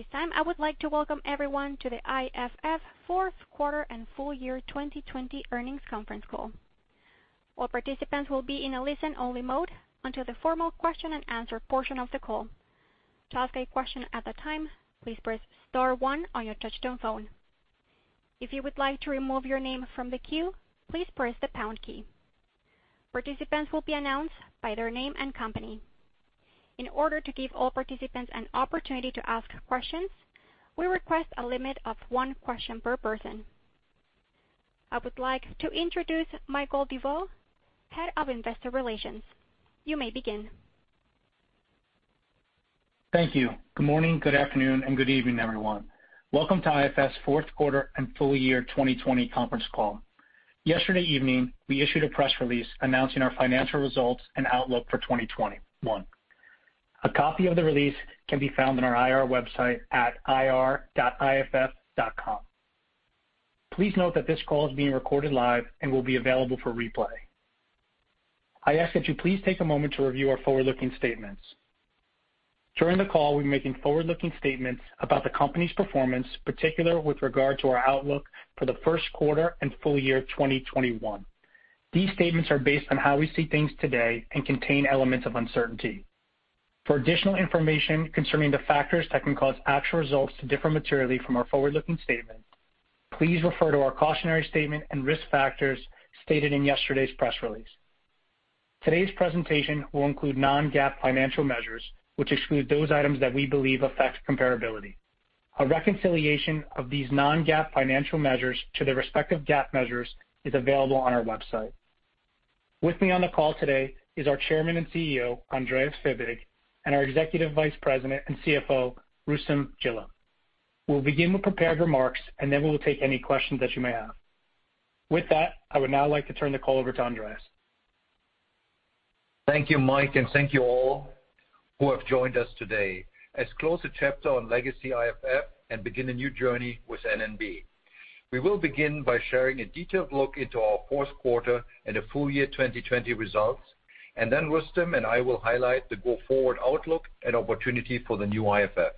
This time, I would like to welcome everyone to the IFF fourth quarter and full year 2020 earnings conference call. All participants will be in a listen-only mode until the formal question and answer portion of the call. To ask a question at a time please press star one on your touchtone phone. If you would like to remove your name from the queue please press the pound key. Participants will be announced by their name and company. In order to give all participants an opportunity to ask questions, we request a limit of one question per person. I would like to introduce Michael DeVeau, Head of Investor Relations. You may begin. Thank you. Good morning, good afternoon, and good evening, everyone. Welcome to IFF's fourth quarter and full year 2020 conference call. Yesterday evening, we issued a press release announcing our financial results and outlook for 2021. A copy of the release can be found on our IR website at ir.iff.com. Please note that this call is being recorded live and will be available for replay. I ask that you please take a moment to review our forward-looking statements. During the call, we'll be making forward-looking statements about the company's performance, particularly with regard to our outlook for the first quarter and full year 2021. These statements are based on how we see things today and contain elements of uncertainty. For additional information concerning the factors that can cause actual results to differ materially from our forward-looking statements, please refer to our cautionary statement and risk factors stated in yesterday's press release. Today's presentation will include non-GAAP financial measures, which exclude those items that we believe affect comparability. A reconciliation of these non-GAAP financial measures to their respective GAAP measures is available on our website. With me on the call today is our Chairman and CEO, Andreas Fibig, and our Executive Vice President and CFO, Rustom Jilla. We'll begin with prepared remarks, and then we will take any questions that you may have. With that, I would now like to turn the call over to Andreas. Thank you, Mike, and thank you all who have joined us today as we close a chapter on legacy IFF and begin a new journey with N&B. We will begin by sharing a detailed look into our fourth quarter and full year 2020 results, and then Rustom and I will highlight the go-forward outlook and opportunity for the new IFF.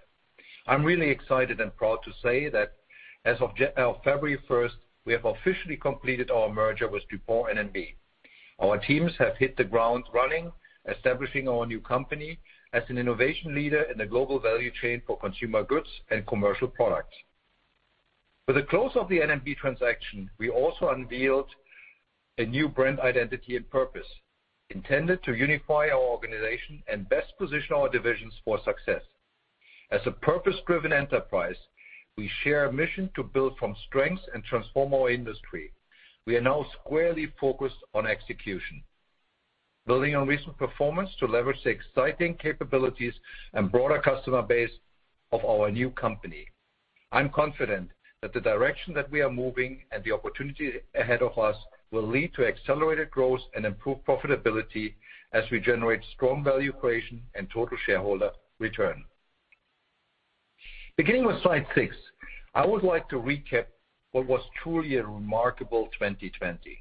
I'm really excited and proud to say that as of February 1st, we have officially completed our merger with DuPont N&B. Our teams have hit the ground running, establishing our new company as an innovation leader in the global value chain for consumer goods and commercial products. With the close of the N&B transaction, we also unveiled a new brand identity and purpose intended to unify our organization and best position our divisions for success. As a purpose-driven enterprise, we share a mission to build from strength and transform our industry. We are now squarely focused on execution, building on recent performance to leverage the exciting capabilities and broader customer base of our new company. I'm confident that the direction that we are moving and the opportunity ahead of us will lead to accelerated growth and improved profitability as we generate strong value creation and total shareholder return. Beginning with slide six, I would like to recap what was truly a remarkable 2020.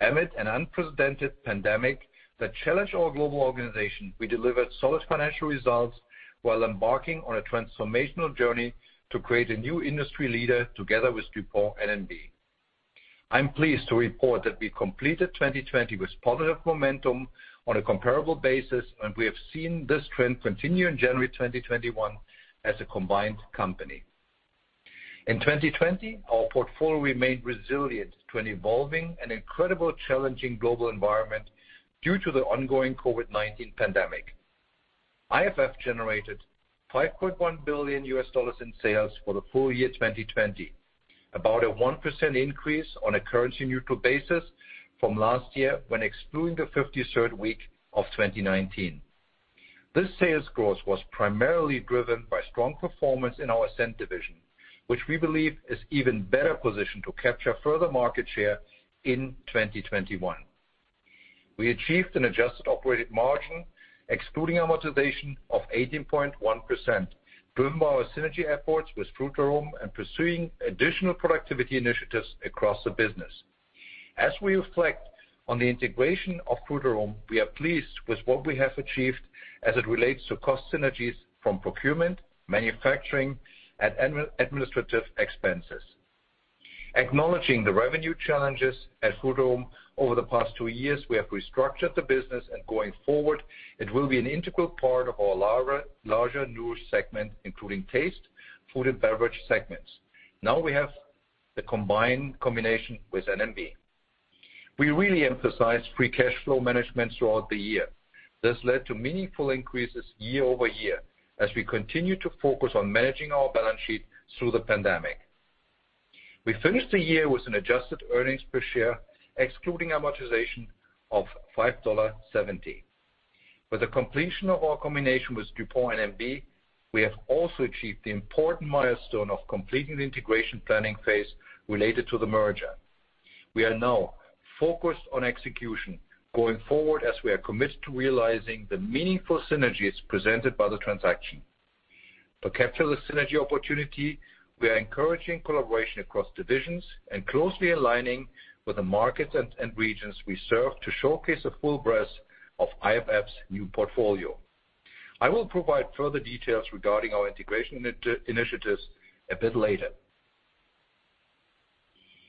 Amid an unprecedented pandemic that challenged our global organization, we delivered solid financial results while embarking on a transformational journey to create a new industry leader together with DuPont N&B. I'm pleased to report that we completed 2020 with positive momentum on a comparable basis, and we have seen this trend continue in January 2021 as a combined company. In 2020, our portfolio remained resilient to an evolving and incredibly challenging global environment due to the ongoing COVID-19 pandemic. IFF generated $5.1 billion in sales for the full year 2020, about a 1% increase on a currency-neutral basis from last year when excluding the 53rd week of 2019. This sales growth was primarily driven by strong performance in our Scent division, which we believe is even better positioned to capture further market share in 2021. We achieved an adjusted operating margin, excluding amortization, of 18.1%, building on our synergy efforts with Frutarom and pursuing additional productivity initiatives across the business. As we reflect on the integration of Frutarom, we are pleased with what we have achieved as it relates to cost synergies from procurement, manufacturing, and administrative expenses. Acknowledging the revenue challenges at Frutarom over the past two years, we have restructured the business, and going forward, it will be an integral part of our larger Nourish segment, including Taste, Food, and Beverage segments. Now we have the combination with N&B. We really emphasized free cash flow management throughout the year. This led to meaningful increases year-over-year as we continue to focus on managing our balance sheet through the pandemic. We finished the year with an adjusted earnings per share, excluding amortization, of $5.70. With the completion of our combination with DuPont N&B, we have also achieved the important milestone of completing the integration planning phase related to the merger. We are now focused on execution going forward as we are committed to realizing the meaningful synergies presented by the transaction. To capture the synergy opportunity, we are encouraging collaboration across divisions and closely aligning with the markets and regions we serve to showcase the full breadth of IFF's new portfolio. I will provide further details regarding our integration initiatives a bit later.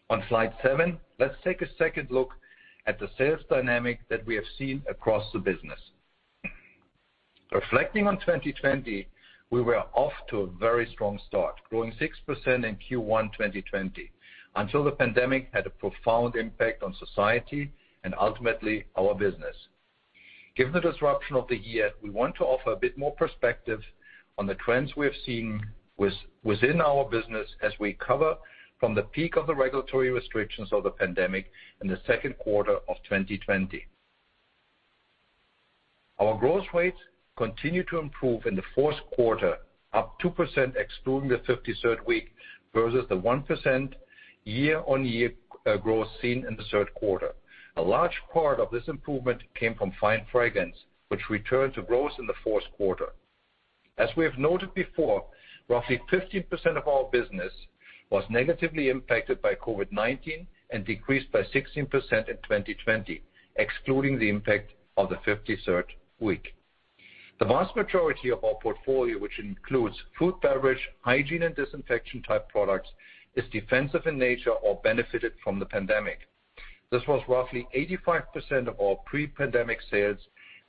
On slide seven, let's take a second look at the sales dynamic that we have seen across the business. Reflecting on 2020, we were off to a very strong start, growing 6% in Q1 2020 until the pandemic had a profound impact on society and ultimately our business. Given the disruption of the year, we want to offer a bit more perspective on the trends we have seen within our business as we recover from the peak of the regulatory restrictions of the COVID-19 pandemic in the second quarter of 2020. Our growth rates continue to improve in the fourth quarter, up 2% excluding the 53rd week, versus the 1% year-on-year growth seen in the third quarter. A large part of this improvement came from Fine Fragrance, which returned to growth in the fourth quarter. As we have noted before, roughly 50% of our business was negatively impacted by COVID-19 and decreased by 16% in 2020, excluding the impact of the 53rd week. The vast majority of our portfolio, which includes food, beverage, hygiene, and disinfection-type products, is defensive in nature or benefited from the COVID-19 pandemic. This was roughly 85% of our pre-pandemic sales,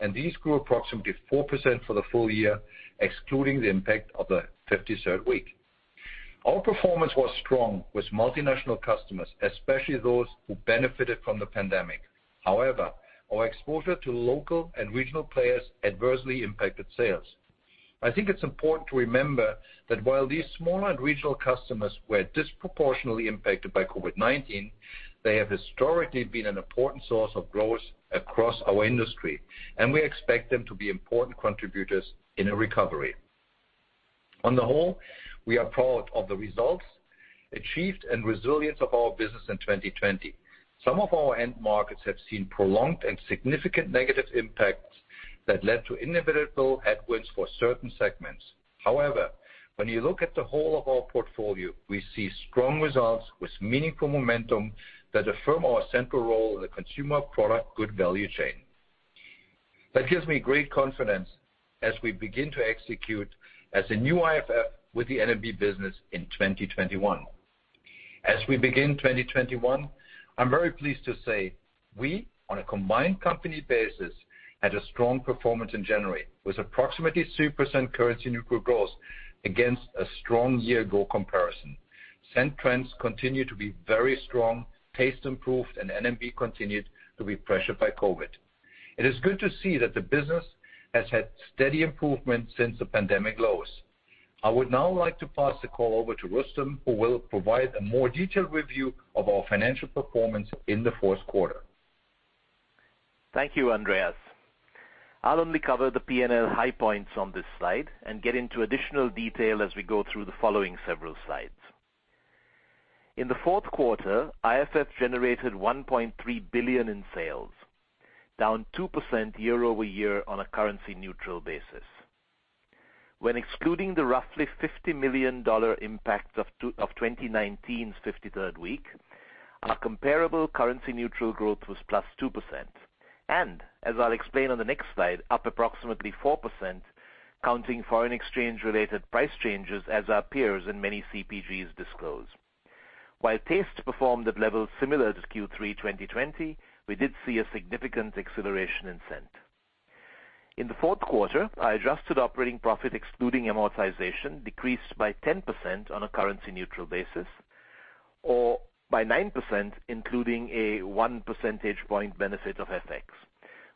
and these grew approximately 4% for the full year, excluding the impact of the 53rd week. Our performance was strong with multinational customers, especially those who benefited from the pandemic. However, our exposure to local and regional players adversely impacted sales. I think it's important to remember that while these small and regional customers were disproportionately impacted by COVID-19, they have historically been an important source of growth across our industry, and we expect them to be important contributors in a recovery. On the whole, we are proud of the results achieved and resilience of our business in 2020. Some of our end markets have seen prolonged and significant negative impacts that led to inevitable headwinds for certain segments. When you look at the whole of our portfolio, we see strong results with meaningful momentum that affirm our central role in the consumer product good value chain. That gives me great confidence as we begin to execute as a new IFF with the N&B business in 2021. As we begin 2021, I'm very pleased to say we, on a combined company basis, had a strong performance in January, with approximately 2% currency neutral growth against a strong year-ago comparison. Scent trends continue to be very strong, Taste improved, and N&B continued to be pressured by COVID. It is good to see that the business has had steady improvement since the pandemic lows. I would now like to pass the call over to Rustom, who will provide a more detailed review of our financial performance in the fourth quarter. Thank you, Andreas. I'll only cover the P&L high points on this slide and get into additional detail as we go through the following several slides. In the fourth quarter, IFF generated $1.3 billion in sales, down 2% year-over-year on a currency neutral basis. When excluding the roughly $50 million impact of 2019's 53rd week, our comparable currency neutral growth was +2%. As I'll explain on the next slide, up approximately 4% counting foreign exchange related price changes as our peers and many CPGs disclose. While Taste performed at levels similar to Q3 2020, we did see a significant acceleration in Scent. In the fourth quarter, our adjusted operating profit, excluding amortization, decreased by 10% on a currency neutral basis, or by 9% including a one percentage point benefit of FX,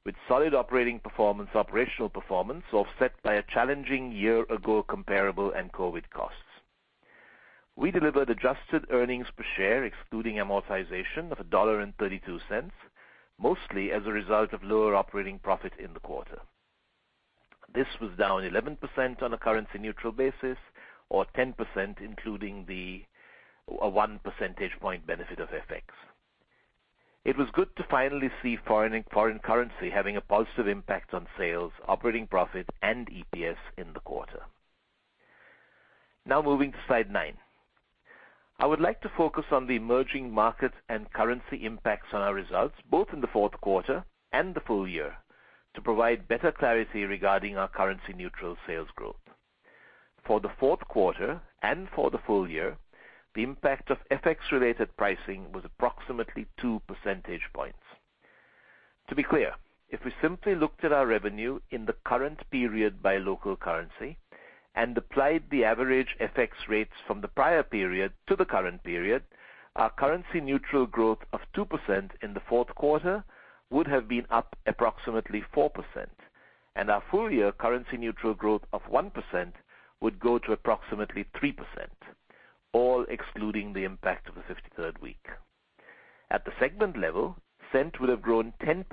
with solid operating performance, operational performance offset by a challenging year-ago comparable and COVID-19 costs. We delivered adjusted earnings per share excluding amortization of $1.32, mostly as a result of lower operating profit in the quarter. This was down 11% on a currency neutral basis, or 10% including the 1 percentage point benefit of FX. It was good to finally see foreign currency having a positive impact on sales, operating profit, and EPS in the quarter. Moving to slide nine. I would like to focus on the emerging market and currency impacts on our results, both in the fourth quarter and the full year to provide better clarity regarding our currency neutral sales growth. For the fourth quarter and for the full year, the impact of FX-related pricing was approximately 2 percentage points. To be clear, if we simply looked at our revenue in the current period by local currency and applied the average FX rates from the prior period to the current period our currency neutral growth of 2% in the fourth quarter would have been up approximately 4%. Our full-year currency neutral growth of 1% would go to approximately 3%, all excluding the impact of the 53rd week. At the segment level, Scent would have grown 10%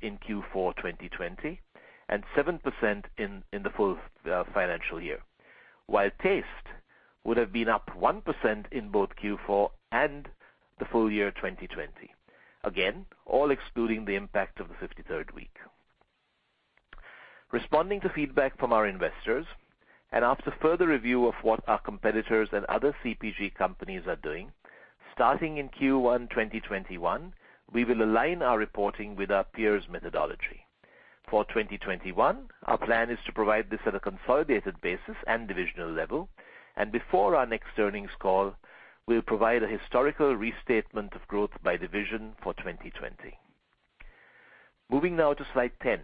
in Q4 2020 and 7% in the full financial year, while Taste would have been up 1% in both Q4 and the full year 2020. Again, all excluding the impact of the 53rd week. Responding to feedback from our investors, and after further review of what our competitors and other CPG companies are doing, starting in Q1 2021, we will align our reporting with our peers' methodology. For 2021, our plan is to provide this at a consolidated basis and divisional level, and before our next earnings call, we will provide a historical restatement of growth by division for 2020. Moving now to slide 10.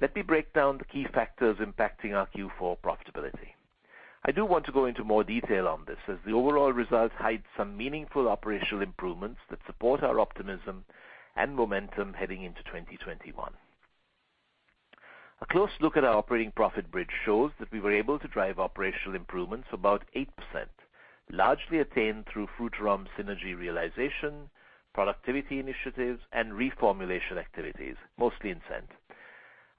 Let me break down the key factors impacting our Q4 profitability. I do want to go into more detail on this, as the overall results hide some meaningful operational improvements that support our optimism and momentum heading into 2021. A close look at our operating profit bridge shows that we were able to drive operational improvements of about 8%, largely attained through Frutarom synergy realization, productivity initiatives, and reformulation activities, mostly in Scent.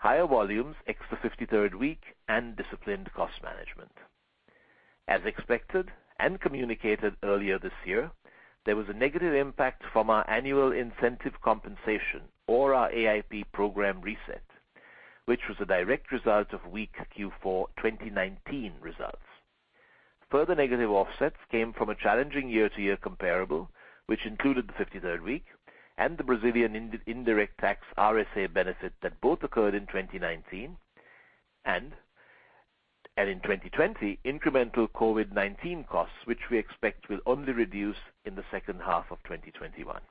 Higher volumes, ex the 53rd week, and disciplined cost management. As expected and communicated earlier this year, there was a negative impact from our annual incentive compensation, or our AIP program reset, which was a direct result of weak Q4 2019 results. Further negative offsets came from a challenging year-over-year comparable, which included the 53rd week and the Brazilian indirect tax RSA benefit that both occurred in 2019, and in 2020, incremental COVID-19 costs, which we expect will only reduce in the second half of 2021.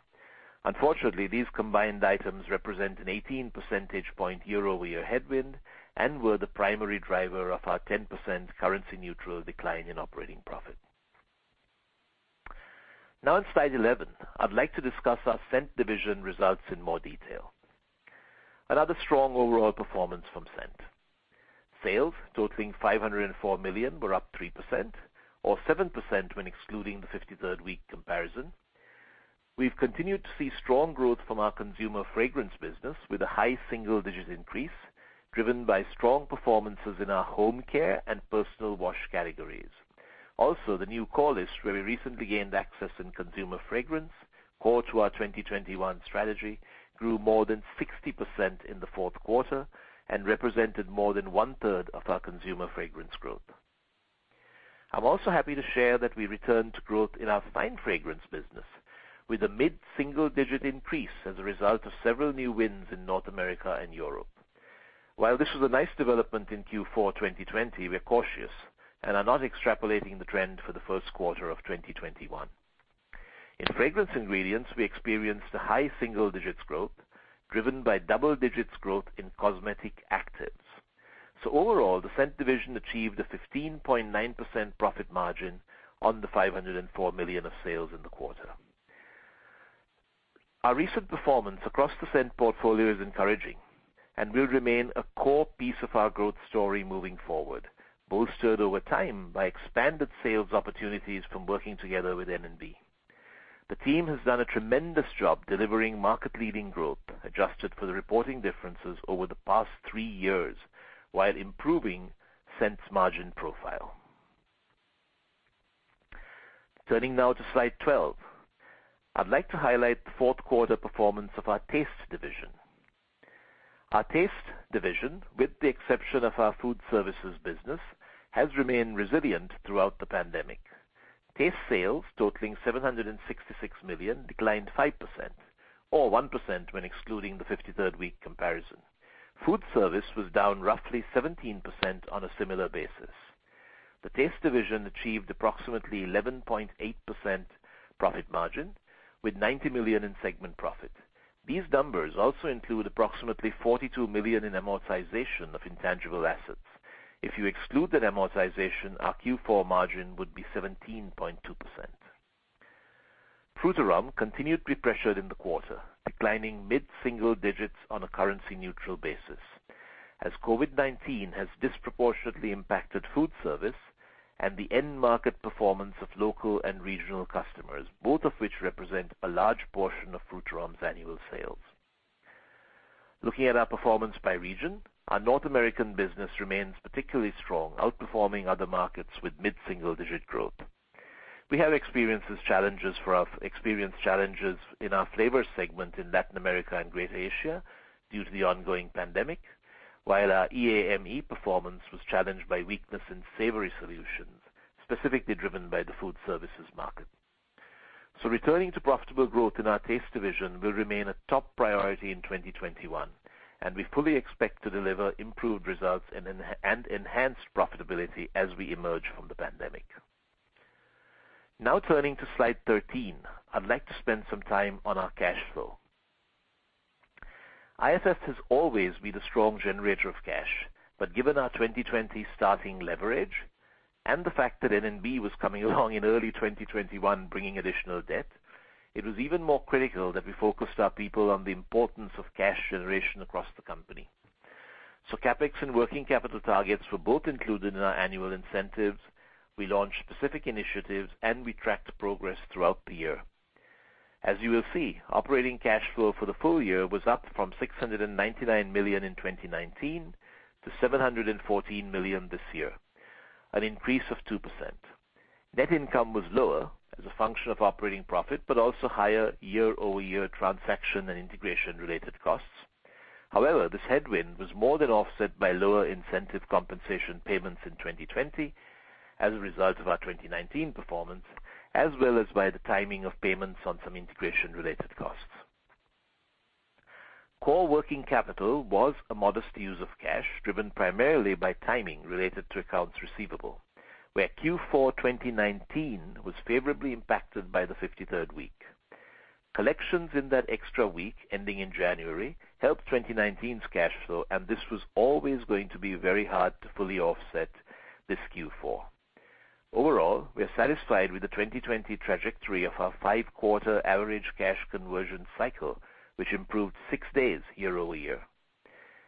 Unfortunately, these combined items represent an 18 percentage point year-over-year headwind and were the primary driver of our 10% currency neutral decline in operating profit. In slide 11, I'd like to discuss our Scent division results in more detail. Another strong overall performance from Scent. Sales totaling $504 million were up 3%, or 7% when excluding the 53rd week comparison. We've continued to see strong growth from our Consumer Fragrance business with a high single-digit increase driven by strong performances in our home care and personal wash categories. Also, the new core list, where we recently gained access in Consumer Fragrance, core to our 2021 strategy, grew more than 60% in the fourth quarter and represented more than one-third of our Consumer Fragrance growth. I'm also happy to share that we returned to growth in our Fine Fragrance business with a mid-single digit increase as a result of several new wins in North America and Europe. While this was a nice development in Q4 2020, we're cautious and are not extrapolating the trend for the first quarter of 2021. In Fragrance Ingredients, we experienced a high single-digit growth, driven by double-digit growth in Cosmetic Actives. Overall, the Scent division achieved a 15.9% profit margin on the $504 million of sales in the quarter. Our recent performance across the Scent portfolio is encouraging and will remain a core piece of our growth story moving forward, bolstered over time by expanded sales opportunities from working together with N&B. The team has done a tremendous job delivering market-leading growth, adjusted for the reporting differences over the past three years while improving Scent's margin profile. Turning now to slide 12. I'd like to highlight the fourth quarter performance of our Taste division. Our Taste division, with the exception of our food services business, has remained resilient throughout the pandemic. Taste sales totaling $766 million, declined 5%, or 1% when excluding the 53rd week comparison. Food service was down roughly 17% on a similar basis. The Taste division achieved approximately 11.8% profit margin with $90 million in segment profit. These numbers also include approximately $42 million in amortization of intangible assets. If you exclude that amortization, our Q4 margin would be 17.2%. Frutarom continued to be pressured in the quarter, declining mid-single digits on a currency-neutral basis, as COVID-19 has disproportionately impacted food service and the end market performance of local and regional customers, both of which represent a large portion of Frutarom's annual sales. Looking at our performance by region, our North American business remains particularly strong, outperforming other markets with mid-single-digit growth. We have experienced challenges in our flavor segment in Latin America and Greater Asia due to the ongoing pandemic. Our EAME performance was challenged by weakness in Savory Solutions, specifically driven by the food services market. Returning to profitable growth in our Taste division will remain a top priority in 2021, and we fully expect to deliver improved results and enhanced profitability as we emerge from the pandemic. Turning to slide 13. I'd like to spend some time on our cash flow. IFF has always been a strong generator of cash, but given our 2020 starting leverage and the fact that N&B was coming along in early 2021 bringing additional debt, it was even more critical that we focused our people on the importance of cash generation across the company. CapEx and working capital targets were both included in our annual incentives. We launched specific initiatives, and we tracked progress throughout the year. As you will see, operating cash flow for the full year was up from $699 million in 2019 to $714 million this year, an increase of 2%. Net income was lower as a function of operating profit, but also higher year-over-year transaction and integration related costs. However, this headwind was more than offset by lower incentive compensation payments in 2020 as a result of our 2019 performance, as well as by the timing of payments on some integration related costs. Core working capital was a modest use of cash, driven primarily by timing related to accounts receivable, where Q4 2019 was favorably impacted by the 53rd week. Collections in that extra week ending in January helped 2019's cash flow, and this was always going to be very hard to fully offset this Q4. Overall, we are satisfied with the 2020 trajectory of our five-quarter average cash conversion cycle, which improved six days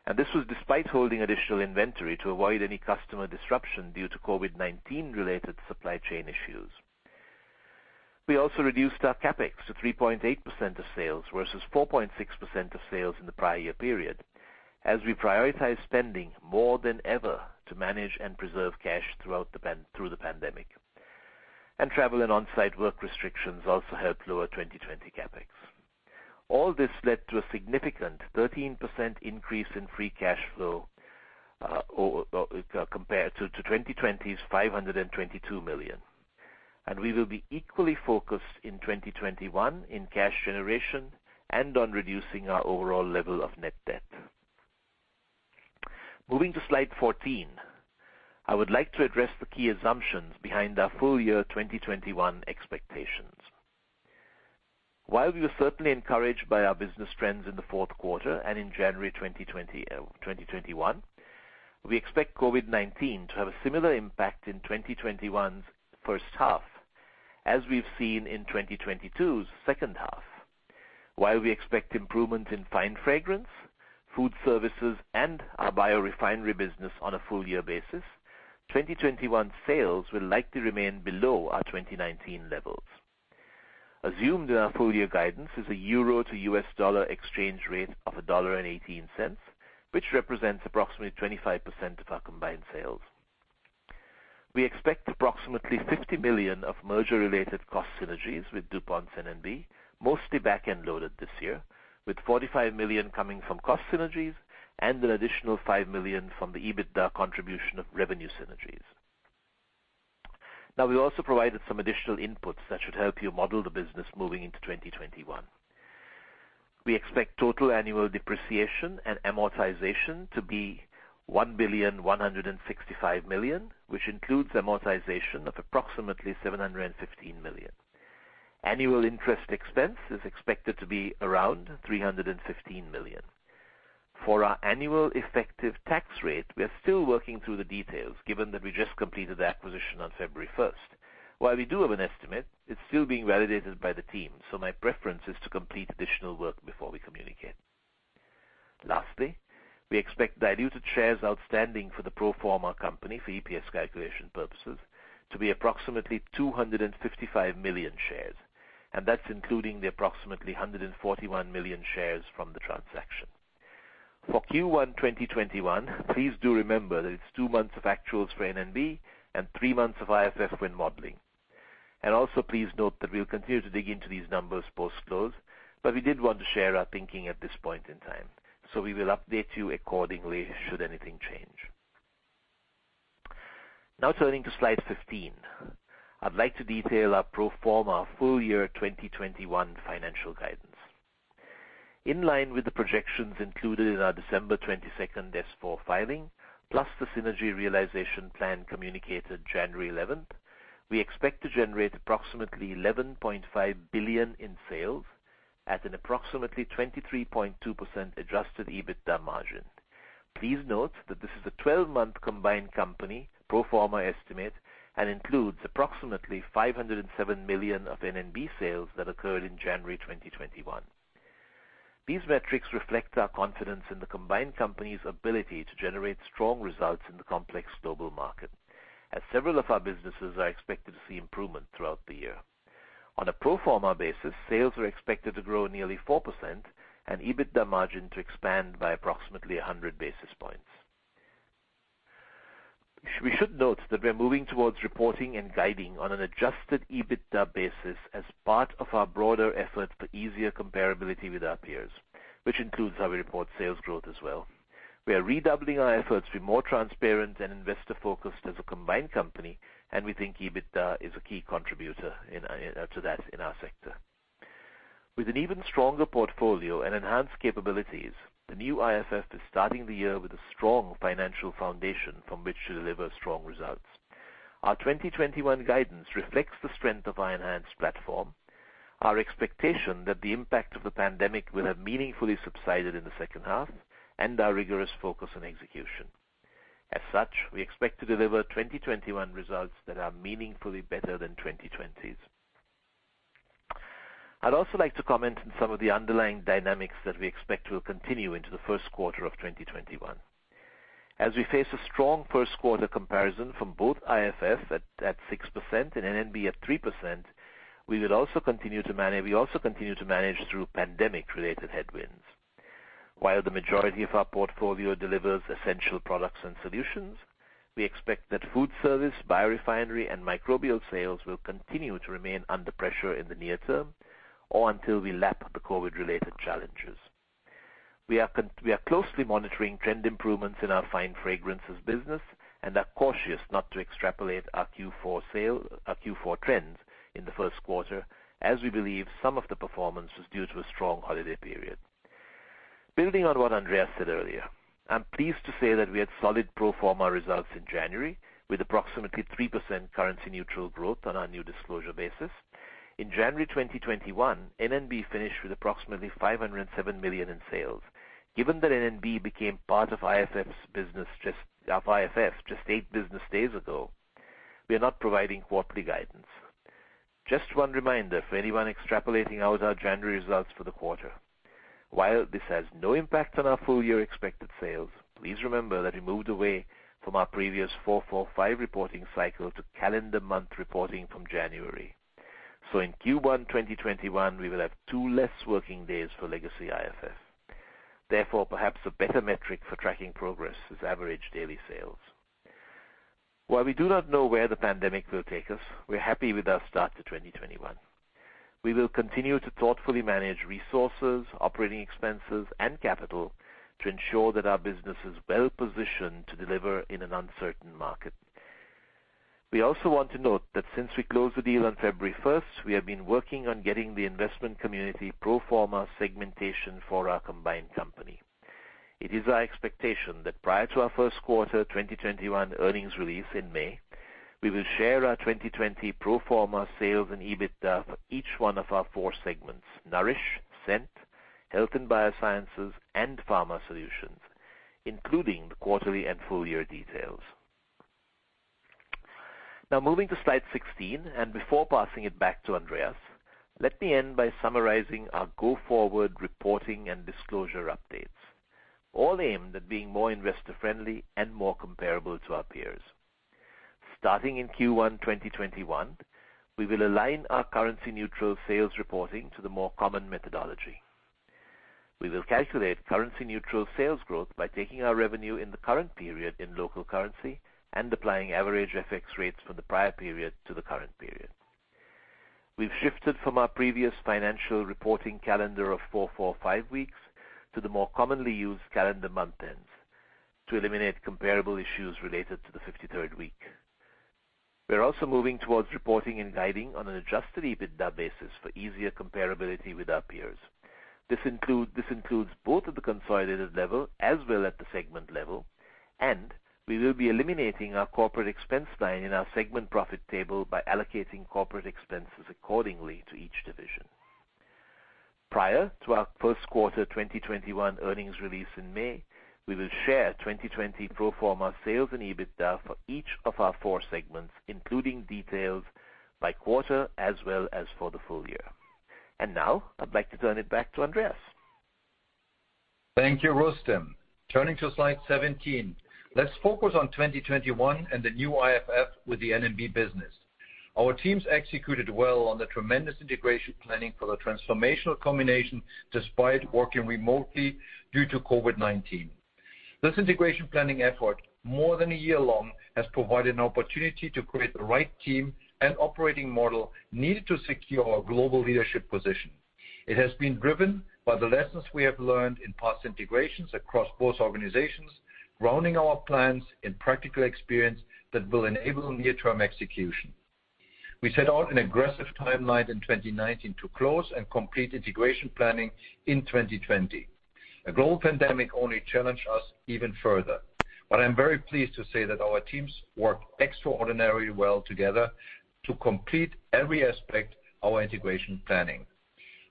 year-over-year. This was despite holding additional inventory to avoid any customer disruption due to COVID-19 related supply chain issues. We also reduced our CapEx to 3.8% of sales, versus 4.6% of sales in the prior year period, as we prioritize spending more than ever to manage and preserve cash through the pandemic. Travel and on-site work restrictions also helped lower 2020 CapEx. All this led to a significant 13% increase in free cash flow compared to 2020's $522 million. We will be equally focused in 2021 in cash generation and on reducing our overall level of net debt. Moving to slide 14, I would like to address the key assumptions behind our full year 2021 expectations. While we were certainly encouraged by our business trends in the fourth quarter and in January 2021, we expect COVID-19 to have a similar impact in 2021's first half as we've seen in 2020's second half. While we expect improvements in Fine Fragrance, food services, and our biorefinery business on a full year basis, 2021 sales will likely remain below our 2019 levels. Assumed in our full year guidance is a euro to US dollar exchange rate of $1.18, which represents approximately 25% of our combined sales. We expect approximately $50 million of merger-related cost synergies with DuPont N&B, mostly back-end loaded this year, with $45 million coming from cost synergies and an additional $5 million from the EBITDA contribution of revenue synergies. We also provided some additional inputs that should help you model the business moving into 2021. We expect total annual depreciation and amortization to be $1.165 billion, which includes amortization of approximately $715 million. Annual interest expense is expected to be around $315 million. For our annual effective tax rate, we are still working through the details, given that we just completed the acquisition on February 1st. While we do have an estimate, it's still being validated by the team, so my preference is to complete additional work before we communicate. Lastly, we expect diluted shares outstanding for the pro forma company for EPS calculation purposes to be approximately 255 million shares, and that's including the approximately 141 million shares from the transaction. For Q1 2021, please do remember that it's two months of actuals for N&B and three months of IFF when modeling. Please note that we'll continue to dig into these numbers post-close, but we did want to share our thinking at this point in time, so we will update you accordingly should anything change. Turning to slide 15. I'd like to detail our pro forma full year 2021 financial guidance. In line with the projections included in our December 22nd S4 filing, plus the synergy realization plan communicated January 11th, we expect to generate approximately $11.5 billion in sales at an approximately 23.2% adjusted EBITDA margin. Please note that this is a 12-month combined company pro forma estimate and includes approximately $507 million of N&B sales that occurred in January 2021. These metrics reflect our confidence in the combined company's ability to generate strong results in the complex global market, as several of our businesses are expected to see improvement throughout the year. On a pro forma basis, sales are expected to grow nearly 4% and EBITDA margin to expand by approximately 100 basis points. We should note that we are moving towards reporting and guiding on an adjusted EBITDA basis as part of our broader effort for easier comparability with our peers, which includes how we report sales growth as well. We are redoubling our efforts to be more transparent and investor-focused as a combined company, and we think EBITDA is a key contributor to that in our sector. With an even stronger portfolio and enhanced capabilities, the new IFF is starting the year with a strong financial foundation from which to deliver strong results. Our 2021 guidance reflects the strength of our enhanced platform, our expectation that the impact of the pandemic will have meaningfully subsided in the second half, and our rigorous focus on execution. As such, we expect to deliver 2021 results that are meaningfully better than 2020's. I'd also like to comment on some of the underlying dynamics that we expect will continue into the first quarter of 2021. We face a strong first quarter comparison from both IFF at 6% and N&B at 3%, we also continue to manage through pandemic-related headwinds. While the majority of our portfolio delivers essential products and solutions, we expect that Food Service, biorefinery, and microbial sales will continue to remain under pressure in the near term, or until we lap the COVID-related challenges. We are closely monitoring trend improvements in our Fine Fragrance business and are cautious not to extrapolate our Q4 trends in the first quarter, as we believe some of the performance was due to a strong holiday period. Building on what Andreas said earlier, I'm pleased to say that we had solid pro forma results in January, with approximately 3% currency-neutral growth on our new disclosure basis. In January 2021, N&B finished with approximately $507 million in sales. Given that N&B became part of IFF just eight business days ago, we are not providing quarterly guidance. One reminder for anyone extrapolating out our January results for the quarter. While this has no impact on our full-year expected sales, please remember that we moved away from our previous 4-4-5 reporting cycle to calendar month reporting from January. In Q1 2021, we will have two less working days for legacy IFF. Therefore, perhaps a better metric for tracking progress is average daily sales. While we do not know where the pandemic will take us, we're happy with our start to 2021. We will continue to thoughtfully manage resources, operating expenses, and capital to ensure that our business is well-positioned to deliver in an uncertain market. We also want to note that since we closed the deal on February 1st, we have been working on getting the investment community pro forma segmentation for our combined company. It is our expectation that prior to our first quarter 2021 earnings release in May, we will share our 2020 pro forma sales and EBITDA for each one of our four segments, Nourish, Scent, Health & Biosciences, and Pharma Solutions, including the quarterly and full-year details. Moving to slide 16, and before passing it back to Andreas, let me end by summarizing our go-forward reporting and disclosure updates, all aimed at being more investor-friendly and more comparable to our peers. Starting in Q1 2021, we will align our currency-neutral sales reporting to the more common methodology. We will calculate currency-neutral sales growth by taking our revenue in the current period in local currency and applying average FX rates from the prior period to the current period. We've shifted from our previous financial reporting calendar of 4-4-5 weeks to the more commonly used calendar month ends to eliminate comparable issues related to the 53rd week. We're also moving towards reporting and guiding on an adjusted EBITDA basis for easier comparability with our peers. This includes both at the consolidated level as well as at the segment level, and we will be eliminating our corporate expense line in our segment profit table by allocating corporate expenses accordingly to each division. Prior to our first quarter 2021 earnings release in May, we will share 2020 pro forma sales and EBITDA for each of our four segments, including details by quarter as well as for the full year. Now I'd like to turn it back to Andreas. Thank you, Rustom. Turning to slide 17, let's focus on 2021 and the new IFF with the N&B business. Our teams executed well on the tremendous integration planning for the transformational combination despite working remotely due to COVID-19. This integration planning effort, more than a year-long, has provided an opportunity to create the right team and operating model needed to secure our global leadership position. It has been driven by the lessons we have learned in past integrations across both organizations, grounding our plans in practical experience that will enable near-term execution. We set out an aggressive timeline in 2019 to close and complete integration planning in 2020. A global pandemic only challenged us even further. I'm very pleased to say that our teams worked extraordinarily well together to complete every aspect of our integration planning.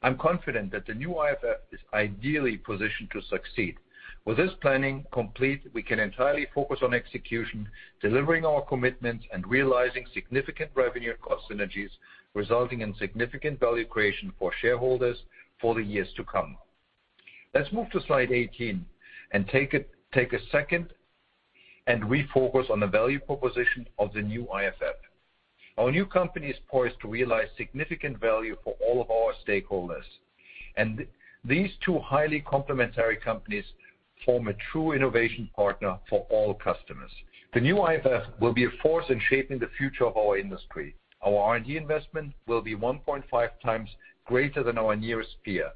I'm confident that the new IFF is ideally positioned to succeed. With this planning complete, we can entirely focus on execution, delivering our commitments, and realizing significant revenue and cost synergies, resulting in significant value creation for shareholders for the years to come. Let's move to slide 18 and take a second and refocus on the value proposition of the new IFF. Our new company is poised to realize significant value for all of our stakeholders, and these two highly complementary companies form a true innovation partner for all customers. The new IFF will be a force in shaping the future of our industry. Our R&D investment will be 1.5x greater than our nearest peer.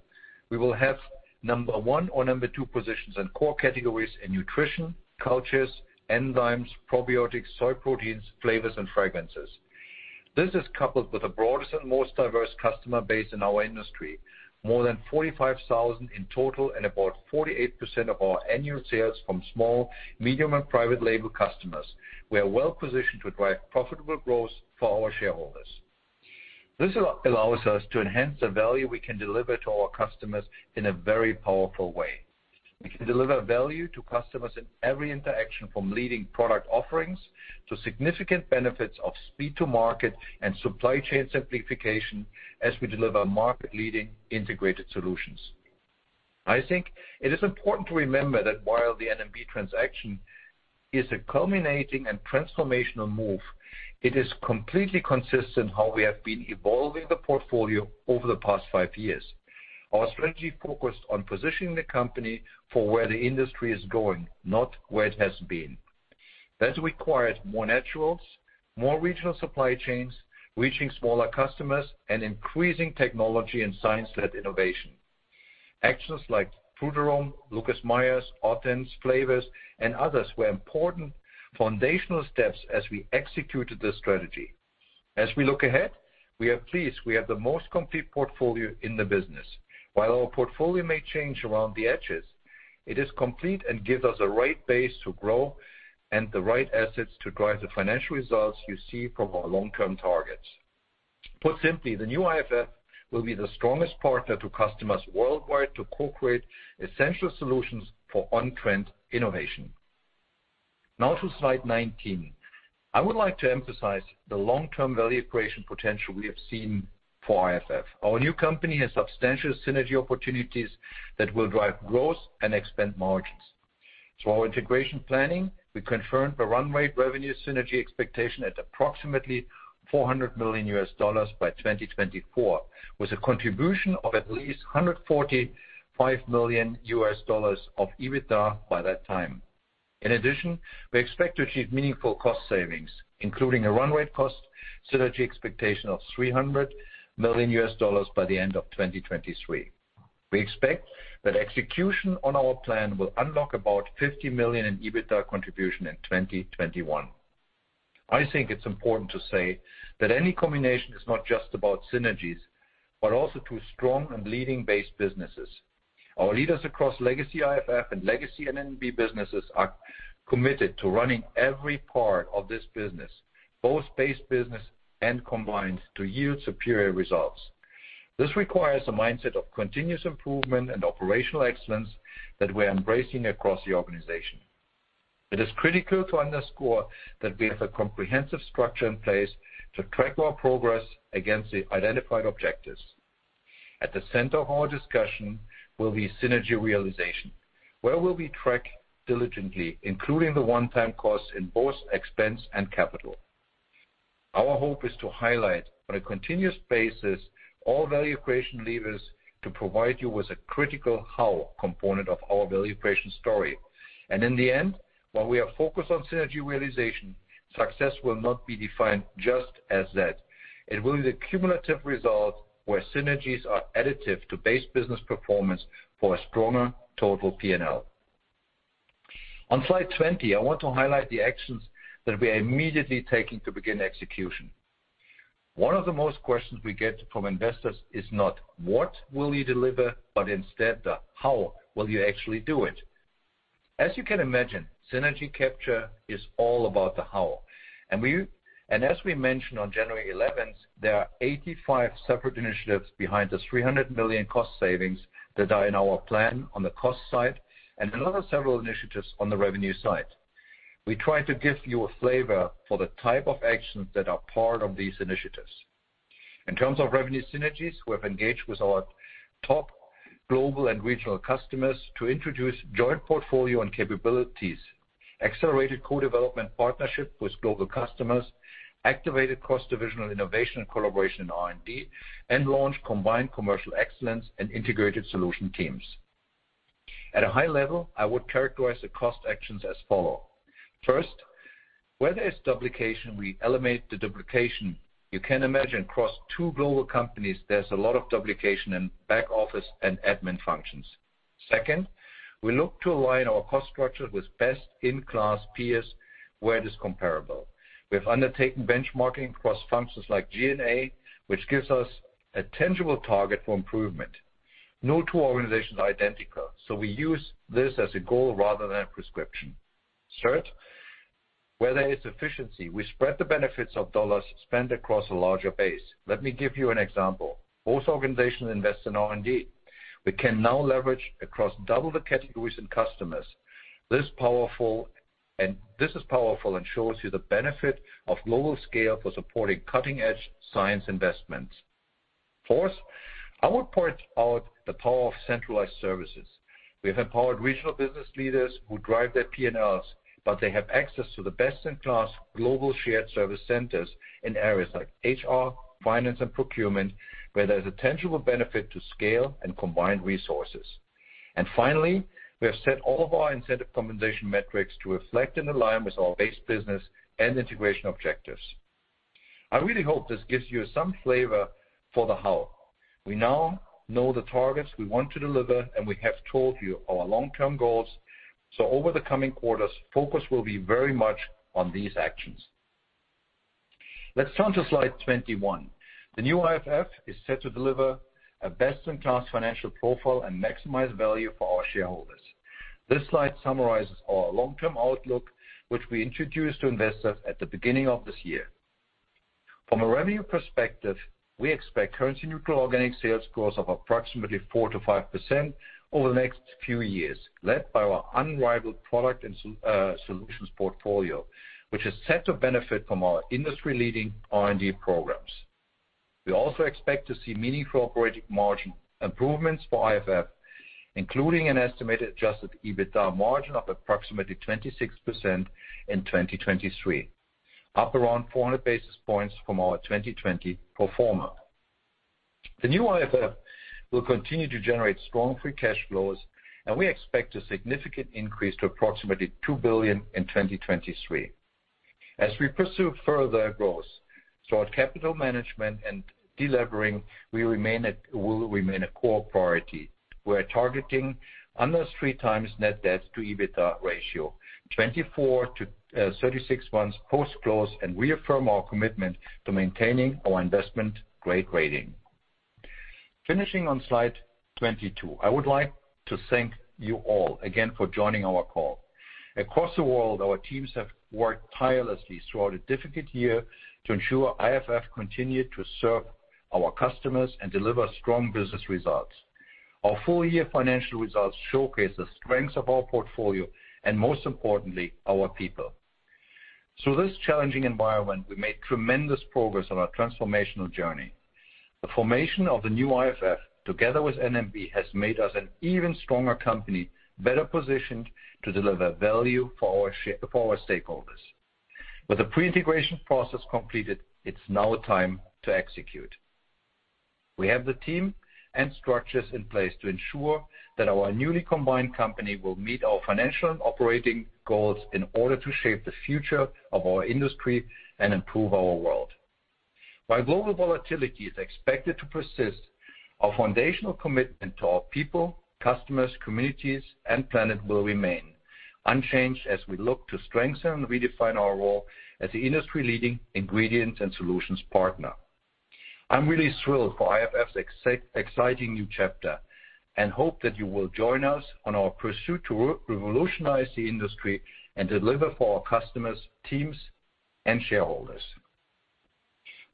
We will have number one or number two positions in core categories in nutrition, cultures, enzymes, probiotics, soy proteins, flavors, and fragrances. This is coupled with the broadest and most diverse customer base in our industry, more than 45,000 in total and about 48% of our annual sales from small, medium, and private label customers. We are well positioned to drive profitable growth for our shareholders. This allows us to enhance the value we can deliver to our customers in a very powerful way. We can deliver value to customers in every interaction, from leading product offerings to significant benefits of speed to market and supply chain simplification as we deliver market-leading integrated solutions. I think it is important to remember that while the N&B transaction is a culminating and transformational move, it is completely consistent how we have been evolving the portfolio over the past five years. Our strategy focused on positioning the company for where the industry is going, not where it has been. That required more naturals, more regional supply chains, reaching smaller customers, and increasing technology and science-led innovation. Actions like Frutarom, Lucas Meyer, Ottens Flavors, and others were important foundational steps as we executed this strategy. As we look ahead, we are pleased we have the most complete portfolio in the business. While our portfolio may change around the edges, it is complete and gives us a right base to grow and the right assets to drive the financial results you see from our long-term targets. Put simply, the new IFF will be the strongest partner to customers worldwide to co-create essential solutions for on-trend innovation. To slide 19. I would like to emphasize the long-term value creation potential we have seen for IFF. Our new company has substantial synergy opportunities that will drive growth and expand margins. Through our integration planning, we confirmed the run rate revenue synergy expectation at approximately $400 million by 2024, with a contribution of at least $145 million of EBITDA by that time. In addition, we expect to achieve meaningful cost savings, including a run rate cost synergy expectation of $300 million by the end of 2023. We expect that execution on our plan will unlock about $50 million in EBITDA contribution in 2021. I think it's important to say that any combination is not just about synergies, but also two strong and leading base businesses. Our leaders across legacy IFF and legacy N&B businesses are committed to running every part of this business, both base business and combined, to yield superior results. This requires a mindset of continuous improvement and operational excellence that we're embracing across the organization. It is critical to underscore that we have a comprehensive structure in place to track our progress against the identified objectives. At the center of our discussion will be synergy realization, where we'll be tracked diligently, including the one-time cost in both expense and capital. Our hope is to highlight on a continuous basis all value creation levers to provide you with a critical how component of our value creation story. In the end, while we are focused on synergy realization, success will not be defined just as that. It will be the cumulative result where synergies are additive to base business performance for a stronger total P&L. On slide 20, I want to highlight the actions that we are immediately taking to begin execution. One of the most questions we get from investors is not what will you deliver, but instead the how will you actually do it. As you can imagine, synergy capture is all about the how. As we mentioned on January 11th, there are 85 separate initiatives behind the $300 million cost savings that are in our plan on the cost side and another several initiatives on the revenue side. We try to give you a flavor for the type of actions that are part of these initiatives. In terms of revenue synergies, we have engaged with our top global and regional customers to introduce joint portfolio and capabilities, accelerated co-development partnership with global customers, activated cross-divisional innovation and collaboration in R&D, and launched combined commercial excellence and integrated solution teams. At a high level, I would characterize the cost actions as follow. First, where there's duplication, we eliminate the duplication. You can imagine across two global companies, there's a lot of duplication in back office and admin functions. Second, we look to align our cost structure with best-in-class peers where it is comparable. We have undertaken benchmarking across functions like G&A, which gives us a tangible target for improvement. No two organizations are identical. We use this as a goal rather than a prescription. Third, where there is efficiency, we spread the benefits of dollars spent across a larger base. Let me give you an example. Both organizations invest in R&D. We can now leverage across double the categories and customers. This is powerful and shows you the benefit of global scale for supporting cutting-edge science investments. Fourth, I would point out the power of centralized services. We have empowered regional business leaders who drive their P&Ls. They have access to the best-in-class global shared service centers in areas like HR, finance, and procurement, where there's a tangible benefit to scale and combine resources. Finally, we have set all of our incentive compensation metrics to reflect and align with our base business and integration objectives. I really hope this gives you some flavor for the how. We now know the targets we want to deliver, and we have told you our long-term goals. Over the coming quarters, focus will be very much on these actions. Let's turn to slide 21. The new IFF is set to deliver a best-in-class financial profile and maximize value for our shareholders. This slide summarizes our long-term outlook, which we introduced to investors at the beginning of this year. From a revenue perspective, we expect currency neutral organic sales growth of approximately 4%-5% over the next few years, led by our unrivaled product and solutions portfolio, which is set to benefit from our industry-leading R&D programs. We also expect to see meaningful operating margin improvements for IFF, including an estimated adjusted EBITDA margin of approximately 26% in 2023, up around 400 basis points from our 2020 pro forma. The new IFF will continue to generate strong free cash flows, and we expect a significant increase to approximately $2 billion in 2023. As we pursue further growth, strong capital management and de-levering will remain a core priority. We're targeting under 3x net debt to EBITDA ratio, 24-36 months post-close, and reaffirm our commitment to maintaining our investment-grade rating. Finishing on Slide 22, I would like to thank you all again for joining our call. Across the world, our teams have worked tirelessly throughout a difficult year to ensure IFF continued to serve our customers and deliver strong business results. Our full-year financial results showcase the strengths of our portfolio, and most importantly, our people. Through this challenging environment, we made tremendous progress on our transformational journey. The formation of the new IFF, together with N&B, has made us an even stronger company, better positioned to deliver value for our stakeholders. With the pre-integration process completed, it's now time to execute. We have the team and structures in place to ensure that our newly combined company will meet our financial and operating goals in order to shape the future of our industry and improve our world. While global volatility is expected to persist, our foundational commitment to our people, customers, communities, and planet will remain unchanged as we look to strengthen and redefine our role as the industry-leading ingredient and solutions partner. I'm really thrilled for IFF's exciting new chapter, and hope that you will join us on our pursuit to revolutionize the industry and deliver for our customers, teams, and shareholders.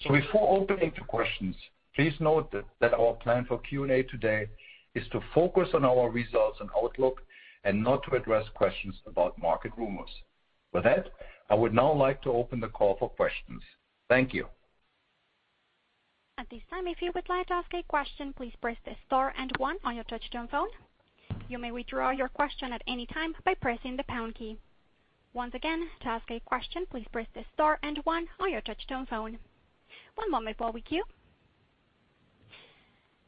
Before opening to questions, please note that our plan for Q&A today is to focus on our results and outlook and not to address questions about market rumors. With that, I would now like to open the call for questions. Thank you. At this time, if you would like to ask a question, please press star and one on your touchtone phone. You may withdraw your question at any time by pressing the pound key. Once again, to ask a question, please press star and one on your touchtone phone. One moment while we queue.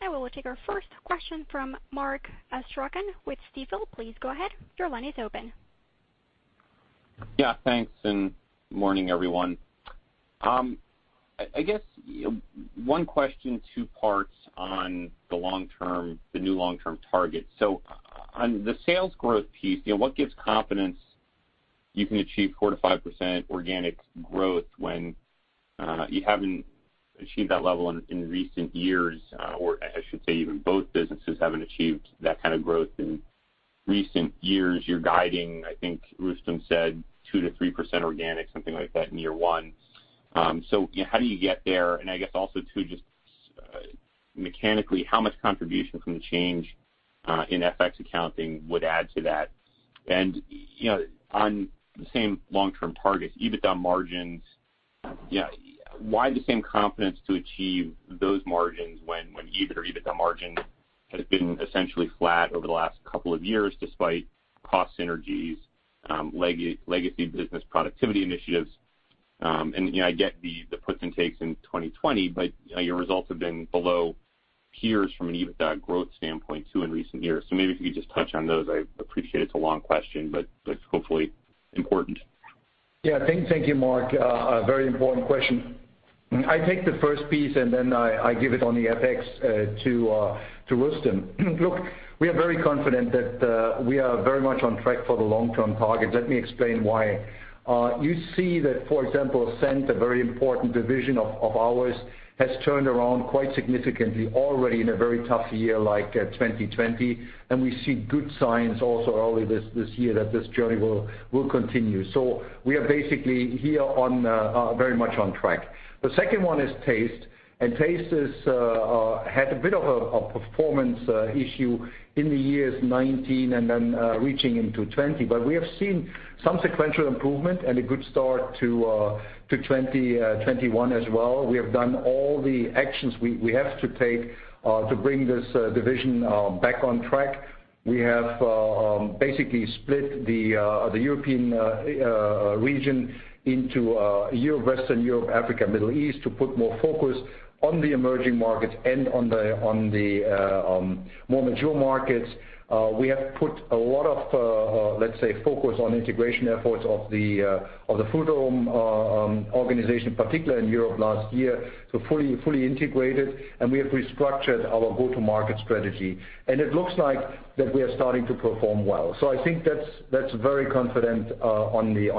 I will take our first question from Mark Astrachan with Stifel. Please go ahead. Your line is open. Thanks, and morning, everyone. I guess one question, two parts on the new long-term target. On the sales growth piece, what gives confidence you can achieve 4%-5% organic growth when you haven't achieved that level in recent years, or I should say even both businesses haven't achieved that kind of growth in recent years? You're guiding, I think Rustom said 2%-3% organic, something like that in year one. How do you get there? I guess also too, just mechanically, how much contribution from the change in FX accounting would add to that? On the same long-term target, EBITDA margins, why the same confidence to achieve those margins when EBIT or EBITDA margin has been essentially flat over the last couple of years, despite cost synergies, legacy business productivity initiatives? I get the puts and takes in 2020, but your results have been below peers from an EBITDA growth standpoint, too, in recent years. Maybe if you could just touch on those. I appreciate it's a long question, but hopefully important. Thank you, Mark. A very important question. I take the first piece. I give it on the FX to Rustom. Look, we are very confident that we are very much on track for the long-term target. Let me explain why. You see that, for example, Scent, a very important division of ours, has turned around quite significantly already in a very tough year like 2020. We see good signs also early this year that this journey will continue. We are basically here very much on track. The second one is Taste. Taste had a bit of a performance issue in the years 2019 and then reaching into 2020. We have seen some sequential improvement and a good start to 2021 as well. We have done all the actions we have to take to bring this division back on track. We have basically split the European region into Western Europe, Africa, Middle East to put more focus on the emerging markets and on the more mature markets. We have put a lot of, let's say, focus on integration efforts of the Frutarom organization, particularly in Europe last year, to fully integrate it. We have restructured our go-to-market strategy. It looks like that we are starting to perform well. I think that's very confident on the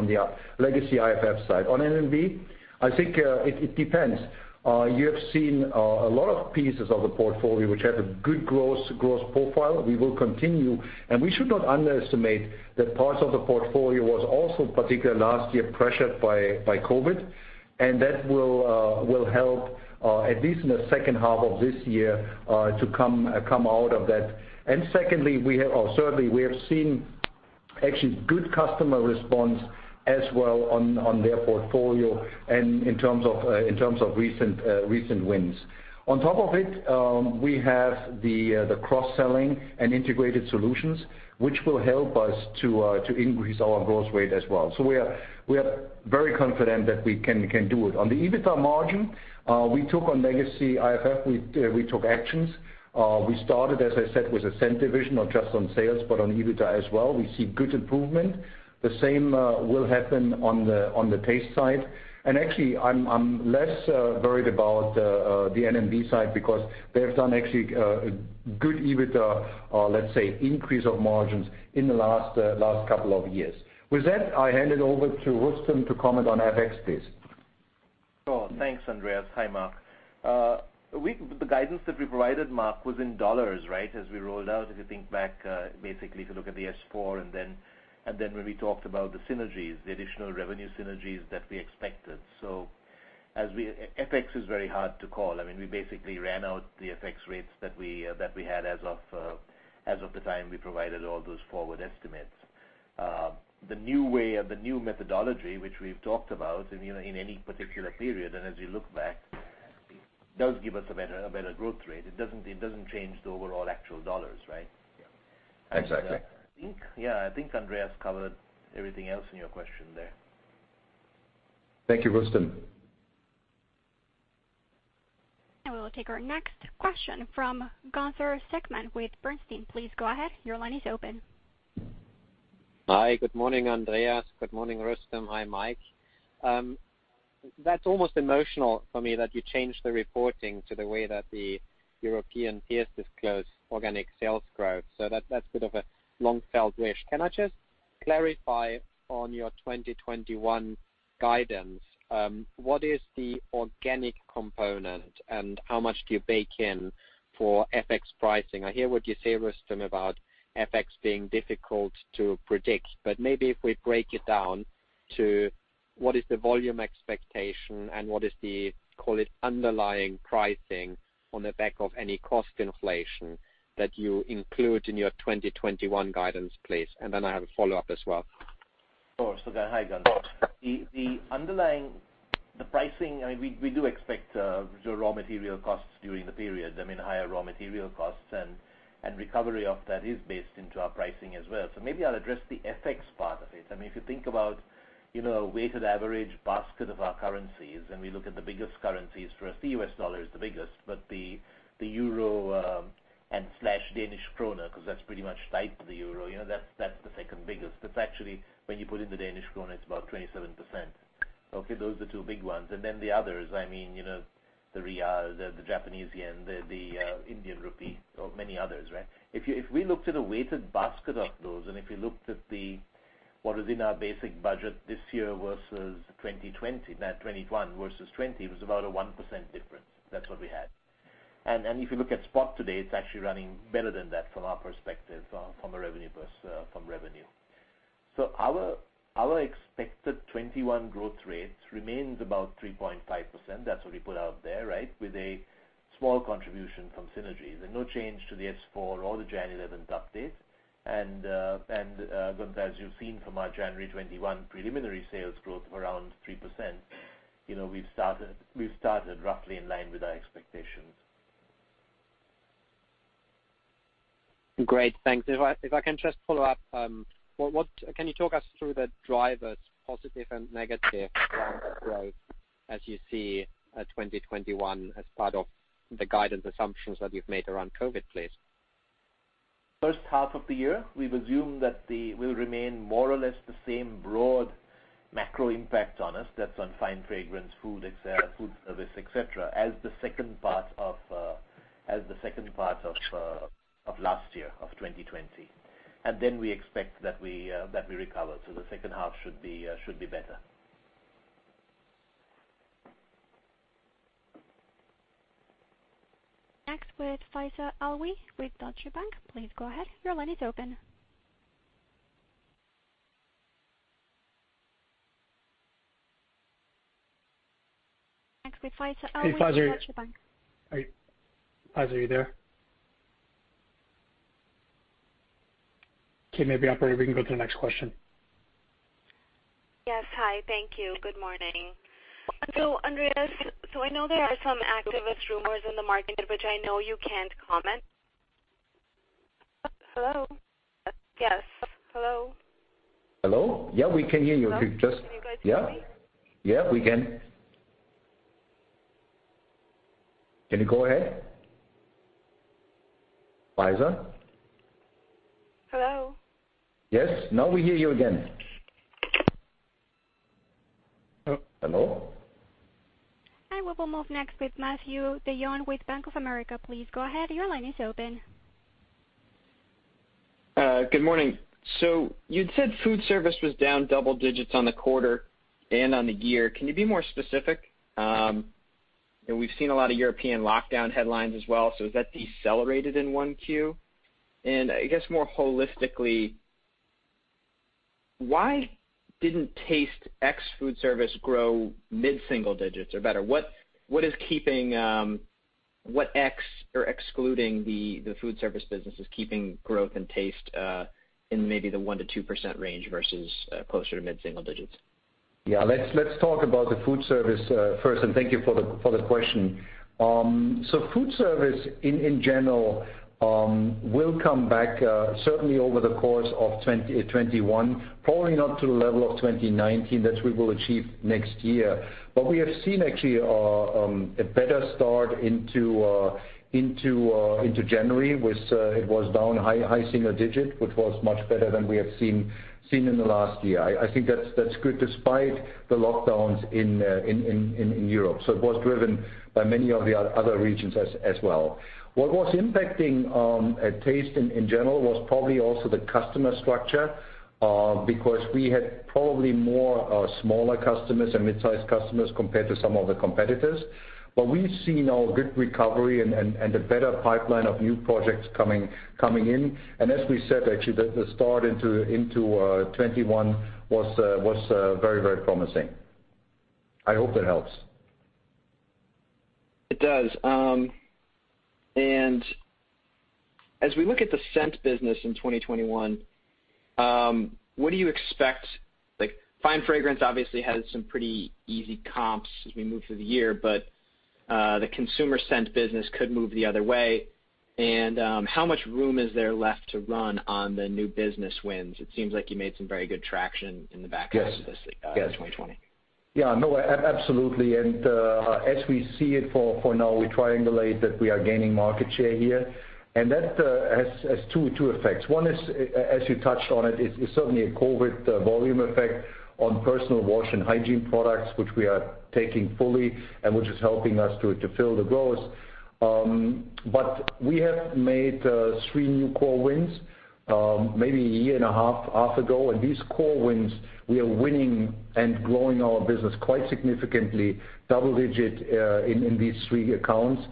legacy IFF side. On N&B, I think it depends. You have seen a lot of pieces of the portfolio which have a good growth profile. We will continue. We should not underestimate that parts of the portfolio was also, particularly last year, pressured by COVID-19. That will help, at least in the second half of this year, to come out of that. Thirdly, we have seen actually good customer response as well on their portfolio and in terms of recent wins. On top of it, we have the cross-selling and integrated solutions, which will help us to increase our growth rate as well. We are very confident that we can do it. On the EBITDA margin, we took on legacy IFF, we took actions. We started, as I said, with the Scent division, not just on sales, but on EBITDA as well. We see good improvement. The same will happen on the Taste side. Actually, I'm less worried about the N&B side because they have done actually a good EBITDA, let's say, increase of margins in the last couple of years. With that, I hand it over to Rustom to comment on FX, please. Thanks, Andreas. Hi, Mark. The guidance that we provided Mark was in dollars, right? As we rolled out, if you think back, basically if you look at the S4 and then when we talked about the synergies, the additional revenue synergies that we expected. FX is very hard to call. I mean, we basically ran out the FX rates that we had as of the time we provided all those forward estimates. The new way or the new methodology, which we've talked about in any particular period, and as you look back, does give us a better growth rate. It doesn't change the overall actual dollar, right? Yeah. Exactly. I think, yeah. I think Andreas covered everything else in your question there. Thank you, Rustom. We will take our next question from Gunther Zechmann with Bernstein. Please go ahead. Your line is open. Hi, good morning, Andreas. Good morning, Rustom. Hi, Mike. That's almost emotional for me that you changed the reporting to the way that the European peers disclose organic sales growth. That's a bit of a long-felt wish. Can I just clarify on your 2021 guidance, what is the organic component, and how much do you bake in for FX pricing? I hear what you say, Rustom, about FX being difficult to predict, but maybe if we break it down to what is the volume expectation and what is the, call it underlying pricing on the back of any cost inflation that you include in your 2021 guidance, please? I have a follow-up as well. Of course. Hi, Gunther. The pricing, we do expect the raw material costs during the period. I mean, higher raw material costs and recovery of that is based into our pricing as well. Maybe I'll address the FX part of it. If you think about a weighted average basket of our currencies, and we look at the biggest currencies. For us, the U.S. dollar is the biggest, but the Euro and Danish krone, because that's pretty much tied to the Euro, that's the second biggest. That's actually, when you put in the Danish krone, it's about 27%. Okay, those are the two big ones. The others, the real, the Japanese yen, the Indian rupee, or many others, right? If we looked at a weighted basket of those, if we looked at what is in our basic budget this year versus 2020, now 2021 versus 2020, it was about a 1% difference. That's what we had. If you look at spot today, it's actually running better than that from our perspective from revenue. Our expected 2021 growth rates remains about 3.5%. That's what we put out there, right? With a small contribution from synergies and no change to the S4 or the January 11th update. Gunther, as you've seen from our January 21 preliminary sales growth of around 3%, we've started roughly in line with our expectations. Great. Thanks. If I can just follow up. Can you talk us through the drivers, positive and negative growth as you see 2021 as part of the guidance assumptions that you've made around COVID, please? First half of the year, we've assumed that will remain more or less the same broad macro impact on us. That's on Fine Fragrance, food service, et cetera, as the second part of last year, of 2020. We expect that we recover. The second half should be better. Next with Faiza Alwy with Deutsche Bank. Please go ahead. Your line is open. Next with Faiza Alwy with Deutsche Bank. Hey, Faiza. Faiza, are you there? Okay, maybe operator, we can go to the next question. Yes. Hi, thank you. Good morning. Andreas, I know there are some activist rumors in the market, which I know you can't comment. Hello? Yes. Hello? Hello? Yeah, we can hear you. Hello. Can you guys hear me? Yeah. We can. Can you go ahead? Faiza? Hello? Yes. Now we hear you again. Hello? Hi. We will move next with Matthew DeYoe with Bank of America. Please go ahead. Your line is open. Good morning. You'd said Food Service was down double digits on the quarter and on the year. Can you be more specific? We've seen a lot of European lockdown headlines as well. Has that decelerated in 1Q? I guess more holistically, why didn't Taste ex food service grow mid-single digits or better? What ex or excluding the food service business is keeping growth and Taste in maybe the 1%-2% range versus closer to mid-single digits? Yeah, let's talk about the food service first, and thank you for the question. Food Service, in general, will come back certainly over the course of 2021, probably not to the level of 2019 that we will achieve next year. We have seen actually, a better start into January. It was down high single digit, which was much better than we have seen in the last year. I think that's good despite the lockdowns in Europe. It was driven by many of the other regions as well. What was impacting Taste in general was probably also the customer structure, because we had probably more smaller customers and mid-size customers compared to some of the competitors. We've seen now a good recovery and a better pipeline of new projects coming in. As we said, actually, the start into 2021 was very promising. I hope that helps. It does. As we look at the Scent business in 2021, Fine Fragrance obviously has some pretty easy comps as we move through the year, but the consumer Scent business could move the other way. How much room is there left to run on the new business wins? It seems like you made some very good traction in the back- Yes half of 2020. Yeah. No, absolutely. As we see it for now, we triangulate that we are gaining market share here. That has two effects. One is, as you touched on it, is certainly a COVID volume effect on personal wash and hygiene products, which we are taking fully and which is helping us to fuel the growth. We have made three new core wins, maybe a year and a half ago. These core wins, we are winning and growing our business quite significantly, double-digit in these three accounts.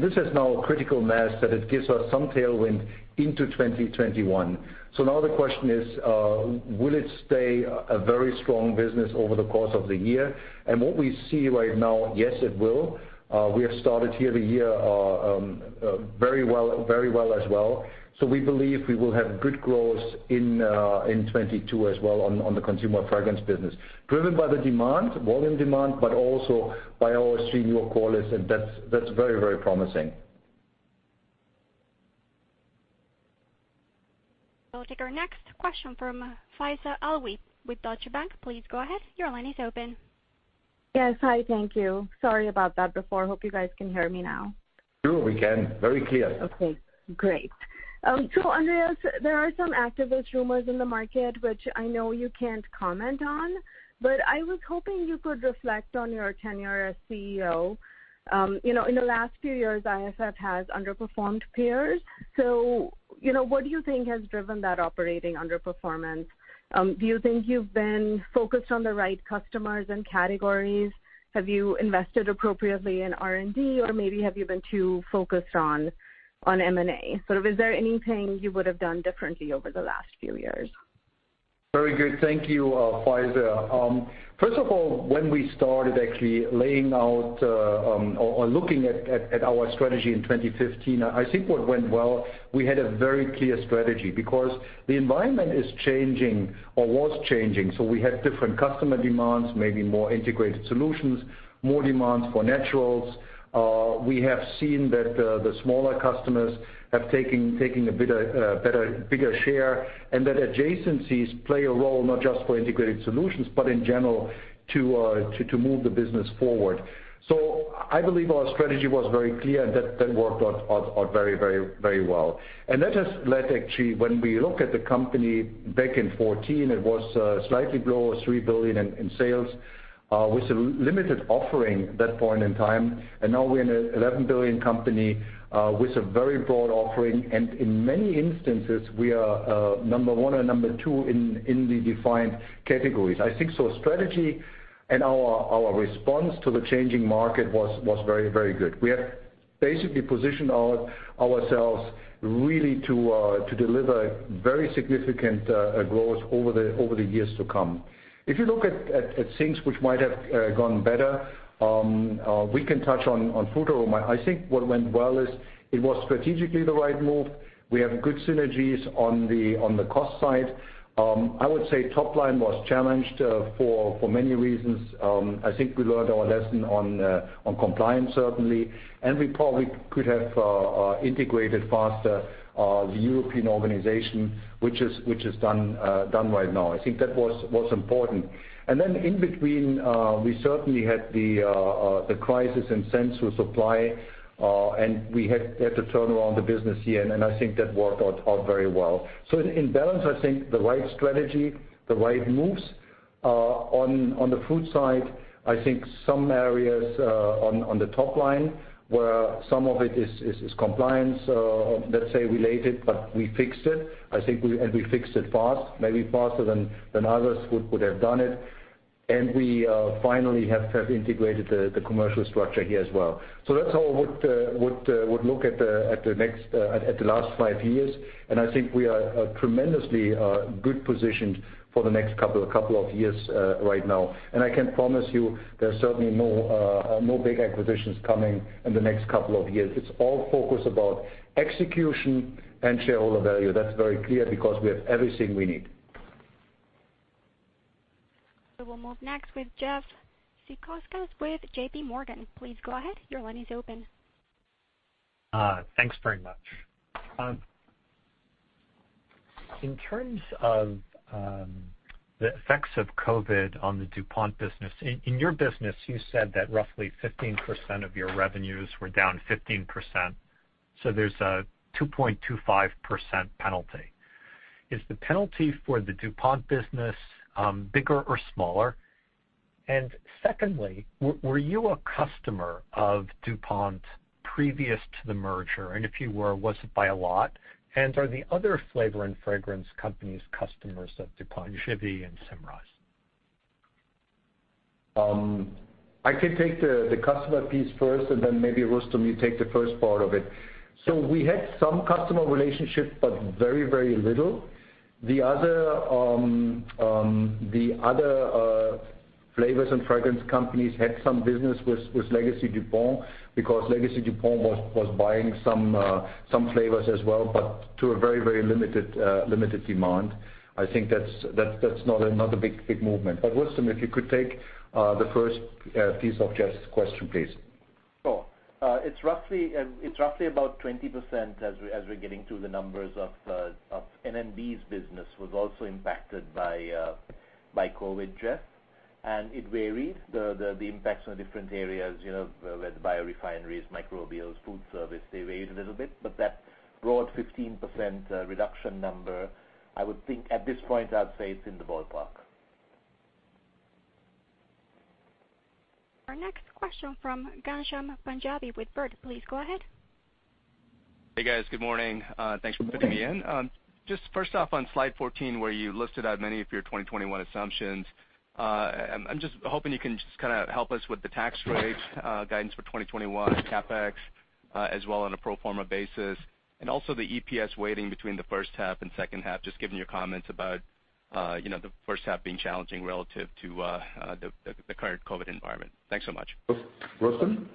This is now a critical mass that it gives us some tailwind into 2021. Now the question is, will it stay a very strong business over the course of the year? What we see right now, yes, it will. We have started here the year very well as well. We believe we will have good growth in 2022 as well on the Consumer Fragrance business, driven by the demand, volume demand, but also by our three new core lists, and that's very promising. I'll take our next question from Faiza Alwy with Deutsche Bank. Please go ahead. Your line is open. Yes. Hi, thank you. Sorry about that before. Hope you guys can hear me now. Sure, we can. Very clear. Okay, great. Andreas, there are some activist rumors in the market, which I know you can't comment on, but I was hoping you could reflect on your tenure as CEO. In the last few years, IFF has underperformed peers. What do you think has driven that operating underperformance? Do you think you've been focused on the right customers and categories? Have you invested appropriately in R&D, or maybe have you been too focused on M&A? Is there anything you would have done differently over the last few years? Very good. Thank you, Faiza. First of all, when we started actually laying out or looking at our strategy in 2015, I think what went well, we had a very clear strategy because the environment is changing or was changing. We had different customer demands, maybe more integrated solutions, more demands for naturals. We have seen that the smaller customers have taken a bigger share, that adjacencies play a role not just for integrated solutions, but in general to move the business forward. I believe our strategy was very clear and that worked out very well. That has led actually, when we look at the company back in 2014, it was slightly below $3 billion in sales, with a limited offering at that point in time. Now we're an $11 billion company with a very broad offering. In many instances, we are number one or number two in the defined categories. I think our strategy and our response to the changing market was very good. We have basically positioned ourselves really to deliver very significant growth over the years to come. If you look at things which might have gone better, we can touch on Frutarom. I think what went well is it was strategically the right move. We have good synergies on the cost side. I would say top line was challenged for many reasons. I think we learned our lesson on compliance, certainly, and we probably could have integrated faster the European organization, which is done right now. I think that was important. In between, we certainly had the crisis in sense with supply, and we had to turn around the business here, and I think that worked out very well. In balance, I think the right strategy, the right moves. On the food side, I think some areas on the top line where some of it is compliance, let's say, related, but we fixed it. We fixed it fast, maybe faster than others would have done it. And we finally have integrated the commercial structure here as well. That's how I would look at the last five years, and I think we are tremendously good positioned for the next couple of years right now. I can promise you there are certainly no big acquisitions coming in the next couple of years. It's all focused about execution and shareholder value. That's very clear because we have everything we need. We'll move next with Jeff Zekauskas with JPMorgan. Please go ahead. Thanks very much. In terms of the effects of COVID on the DuPont business, in your business, you said that roughly 15% of your revenues were down 15%, so there's a 2.25% penalty. Is the penalty for the DuPont business bigger or smaller? Secondly, were you a customer of DuPont previous to the merger? If you were, was it by a lot? Are the other flavor and fragrance companies customers of DuPont, Givaudan, and Symrise? I can take the customer piece first, and then maybe Rustom, you take the first part of it. We had some customer relationships, but very little. The other flavors and fragrance companies had some business with legacy DuPont because legacy DuPont was buying some flavors as well, but to a very limited demand. I think that's not a big movement. Rustom, if you could take the first piece of Jeff's question, please. Sure. It is roughly about 20% as we are getting to the numbers of N&B's business, was also impacted by COVID-19, Jeff. It varied, the impacts on the different areas with biorefineries, microbials, food service, they varied a little bit. That broad 15% reduction number, I would think at this point I would say it is in the ballpark. Our next question from Ghansham Panjabi with Baird. Please go ahead. Hey, guys. Good morning. Thanks for putting me in. First off, on slide 14, where you listed out many of your 2021 assumptions, I'm hoping you can just help us with the tax rates guidance for 2021, CapEx, as well on a pro forma basis, and also the EPS weighting between the first half and second half, just given your comments about the first half being challenging relative to the current COVID environment. Thanks so much. Rustom?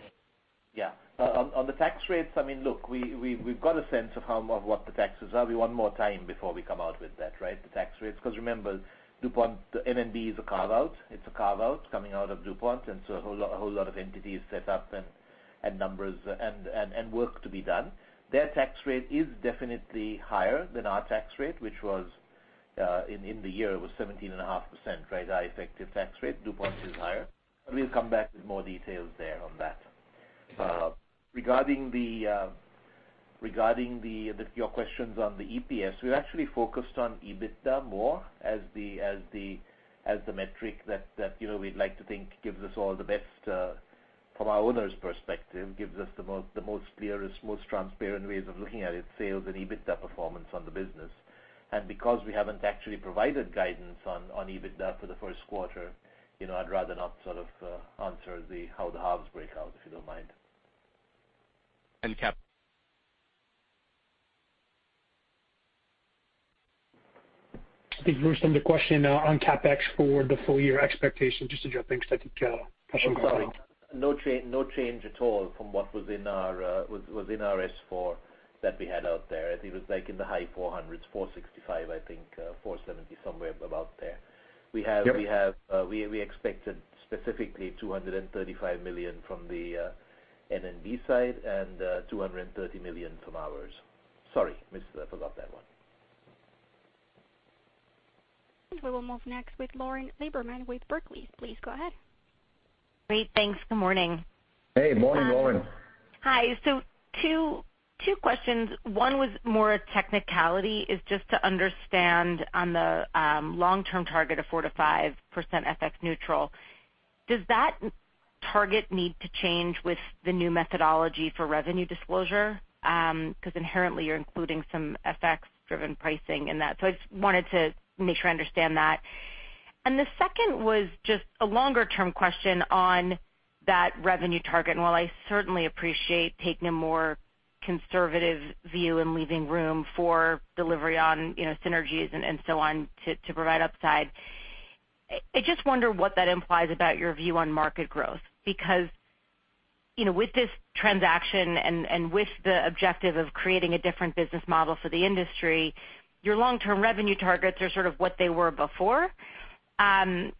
Yeah. On the tax rates, look, we've got a sense of what the taxes are. We want more time before we come out with that, the tax rates, because remember, DuPont, the N&B is a carve-out. It's a carve-out coming out of DuPont, a whole lot of entities set up and numbers and work to be done. Their tax rate is definitely higher than our tax rate, which in the year, it was 17.5%, our effective tax rate. DuPont is higher. We'll come back with more details there on that. Regarding your questions on the EPS, we actually focused on EBITDA more as the metric that we'd like to think gives us all the best from our owners' perspective, gives us the most clearest, most transparent ways of looking at it, sales and EBITDA performance on the business. Because we haven't actually provided guidance on EBITDA for the first quarter, I'd rather not answer how the halves break out, if you don't mind. CapEx? I think, Rustom, the question on CapEx for the full year expectation, just to jump in, because I think Ghansham's calling. I'm sorry. No change at all from what was in our S4 that we had out there. I think it was in the high $400s, $465, I think, $470, somewhere about there. Yep. We expected specifically $235 million from the N&B side and $230 million from ours. Sorry, missed that, forgot that one. We will move next with Lauren Lieberman with Barclays. Please go ahead. Great. Thanks. Good morning. Hey. Morning, Lauren. Hi. Two questions. One was more a technicality, is just to understand on the long-term target of 4%-5% FX neutral, does that target need to change with the new methodology for revenue disclosure? The second was just a longer-term question on that revenue target. While I certainly appreciate taking a more conservative view and leaving room for delivery on synergies and so on to provide upside, I just wonder what that implies about your view on market growth. With this transaction and with the objective of creating a different business model for the industry, your long-term revenue targets are sort of what they were before. I'm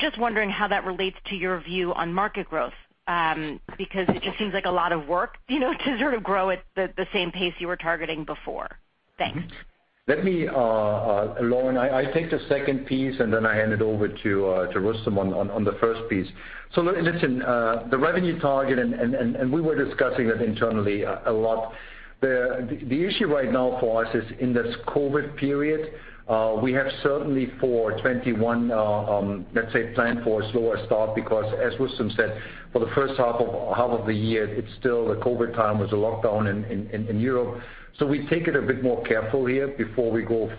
just wondering how that relates to your view on market growth, because it just seems like a lot of work to grow at the same pace you were targeting before. Thanks. Lauren, I take the second piece, and then I hand it over to Rustom on the first piece. Listen, the revenue target, and we were discussing it internally a lot. The issue right now for us is in this COVID period, we have certainly for 2021, let's say, planned for a slower start, because as Rustom said, for the first half of the year, it's still the COVID time with the lockdown in Europe. We take it a bit more careful here before we go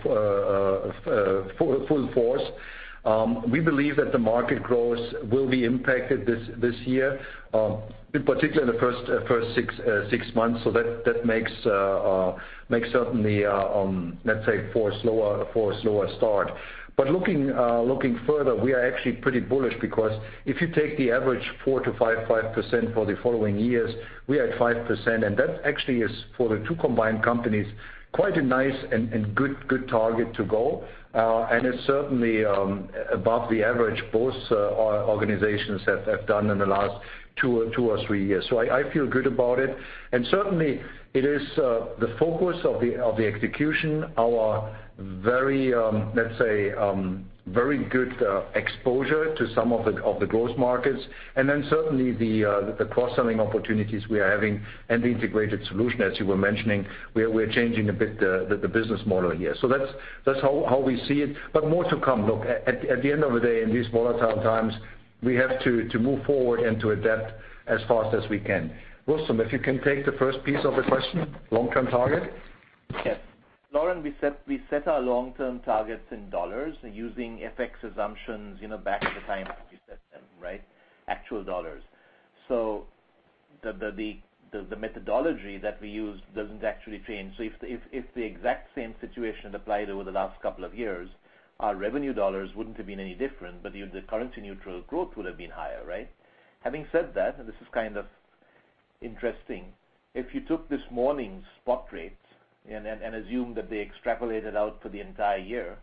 full force. We believe that the market growth will be impacted this year, in particular in the first six months. That makes certainly, let's say, for a slower start. Looking further, we are actually pretty bullish because if you take the average 4%-5% for the following years, we are at 5%. That actually is for the two combined companies, quite a nice and good target to go. It's certainly above the average both organizations have done in the last two or three years. I feel good about it. Certainly it is the focus of the execution, our very, let's say, very good exposure to some of the growth markets. Then certainly the cross-selling opportunities we are having and the integrated solution, as you were mentioning. We are changing a bit the business model here. That's how we see it. More to come. Look, at the end of the day, in these volatile times, we have to move forward and to adapt as fast as we can. Rustom, if you can take the first piece of the question, long-term target. Yes. Lauren, we set our long-term targets in U.S. dollars using FX assumptions back at the time that we set them, right? Actual U.S. dollars. The methodology that we use doesn't actually change. If the exact same situation applied over the last couple of years, our revenue U.S. dollars wouldn't have been any different, but the currency neutral growth would have been higher, right? Having said that, and this is kind of interesting, if you took this morning's spot rates and assumed that they extrapolated out for the entire year,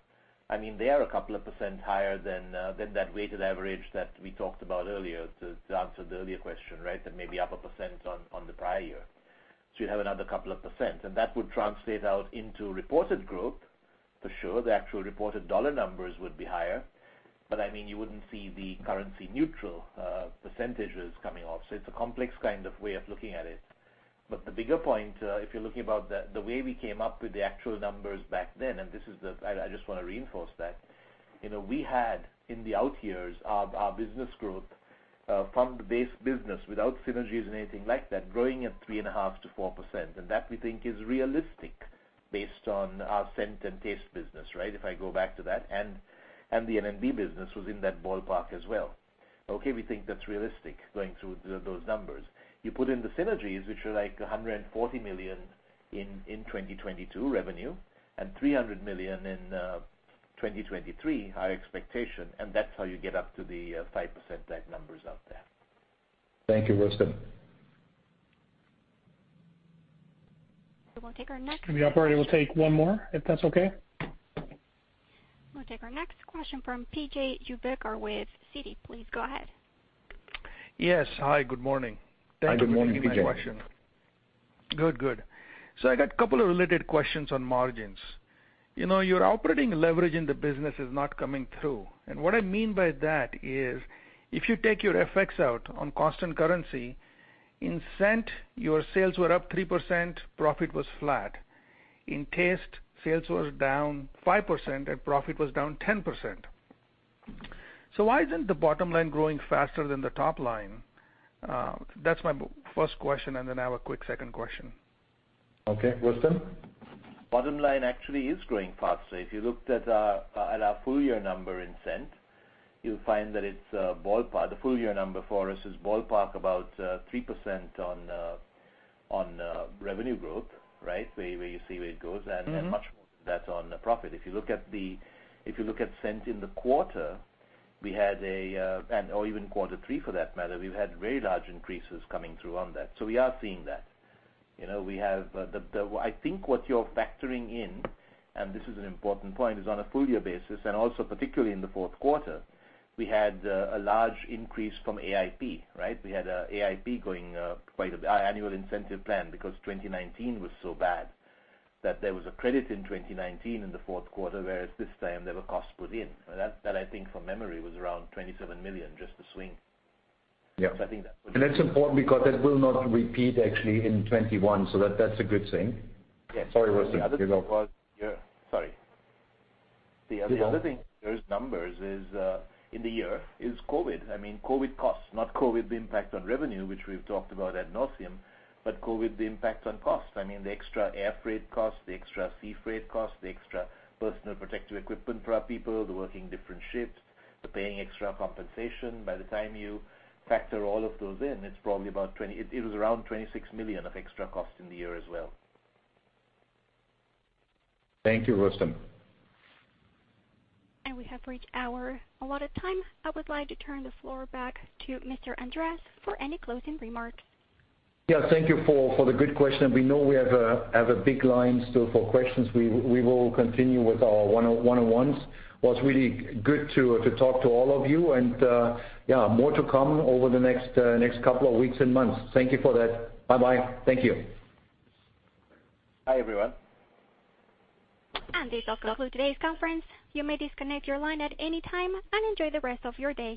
they are a couple of percent higher than that weighted average that we talked about earlier to answer the earlier question, right? That may be up 1% on the prior year. You have another couple of percent, and that would translate out into reported growth, for sure. The actual reported U.S. dollar numbers would be higher. You wouldn't see the currency neutral percentages coming off. It's a complex kind of way of looking at it. The bigger point, if you're looking at the way we came up with the actual numbers back then, and I just want to reinforce that. We had in the out years, our business growth from the base business without synergies and anything like that, growing at 3.5%-4%. That we think is realistic based on our Scent and Taste business. If I go back to that, and the N&B business was in that ballpark as well. We think that's realistic going through those numbers. You put in the synergies, which are like $140 million in 2022 revenue and $300 million in 2023, high expectation, that's how you get up to the 5% numbers out there. Thank you, Rustom. We will take our next- The operator will take one more, if that's okay. We'll take our next question from P.J. Juvekar with Citi. Please go ahead. Yes. Hi, good morning. Hi, good morning, P.J. Thank you for taking my question. Good. I got a couple of related questions on margins. Your operating leverage in the business is not coming through. What I mean by that is, if you take your FX out on constant currency, in Scent, your sales were up 3%, profit was flat. In Taste, sales were down 5% and profit was down 10%. Why isn't the bottom line growing faster than the top line? That's my first question, and then I have a quick second question. Okay. Rustom? Bottom line actually is growing faster. If you looked at our full-year number in Scent, you'll find that the full-year number for us is ballpark about 3% on revenue growth. Where you see where it goes, and much more than that on profit. If you look at Scent in the quarter, or even quarter three for that matter, we've had very large increases coming through on that. We are seeing that. I think what you're factoring in, and this is an important point, is on a full-year basis, and also particularly in the fourth quarter, we had a large increase from AIP. We had AIP going annual incentive plan, because 2019 was so bad that there was a credit in 2019 in the fourth quarter, whereas this time there were costs put in. That I think from memory, was around $27 million, just the swing. Yeah. So I think that- That's important because that will not repeat actually in 2021. That's a good thing. Yes. Sorry, Rustom. Keep going. The other thing in those numbers is in the year, is COVID. COVID costs, not COVID the impact on revenue, which we've talked about ad nauseam, COVID the impact on costs. The extra air freight costs, the extra sea freight costs, the extra personal protective equipment for our people, the working different shifts, the paying extra compensation. By the time you factor all of those in, it was around $26 million of extra costs in the year as well. Thank you, Rustom. We have reached our allotted time. I would like to turn the floor back to Mr. Andreas for any closing remarks. Yeah, thank you for the good question. We know we have a big line still for questions. We will continue with our one-on-ones. It was really good to talk to all of you. Yeah, more to come over the next couple of weeks and months. Thank you for that. Bye-bye. Thank you. Bye, everyone. This does conclude today's conference. You may disconnect your line at any time and enjoy the rest of your day.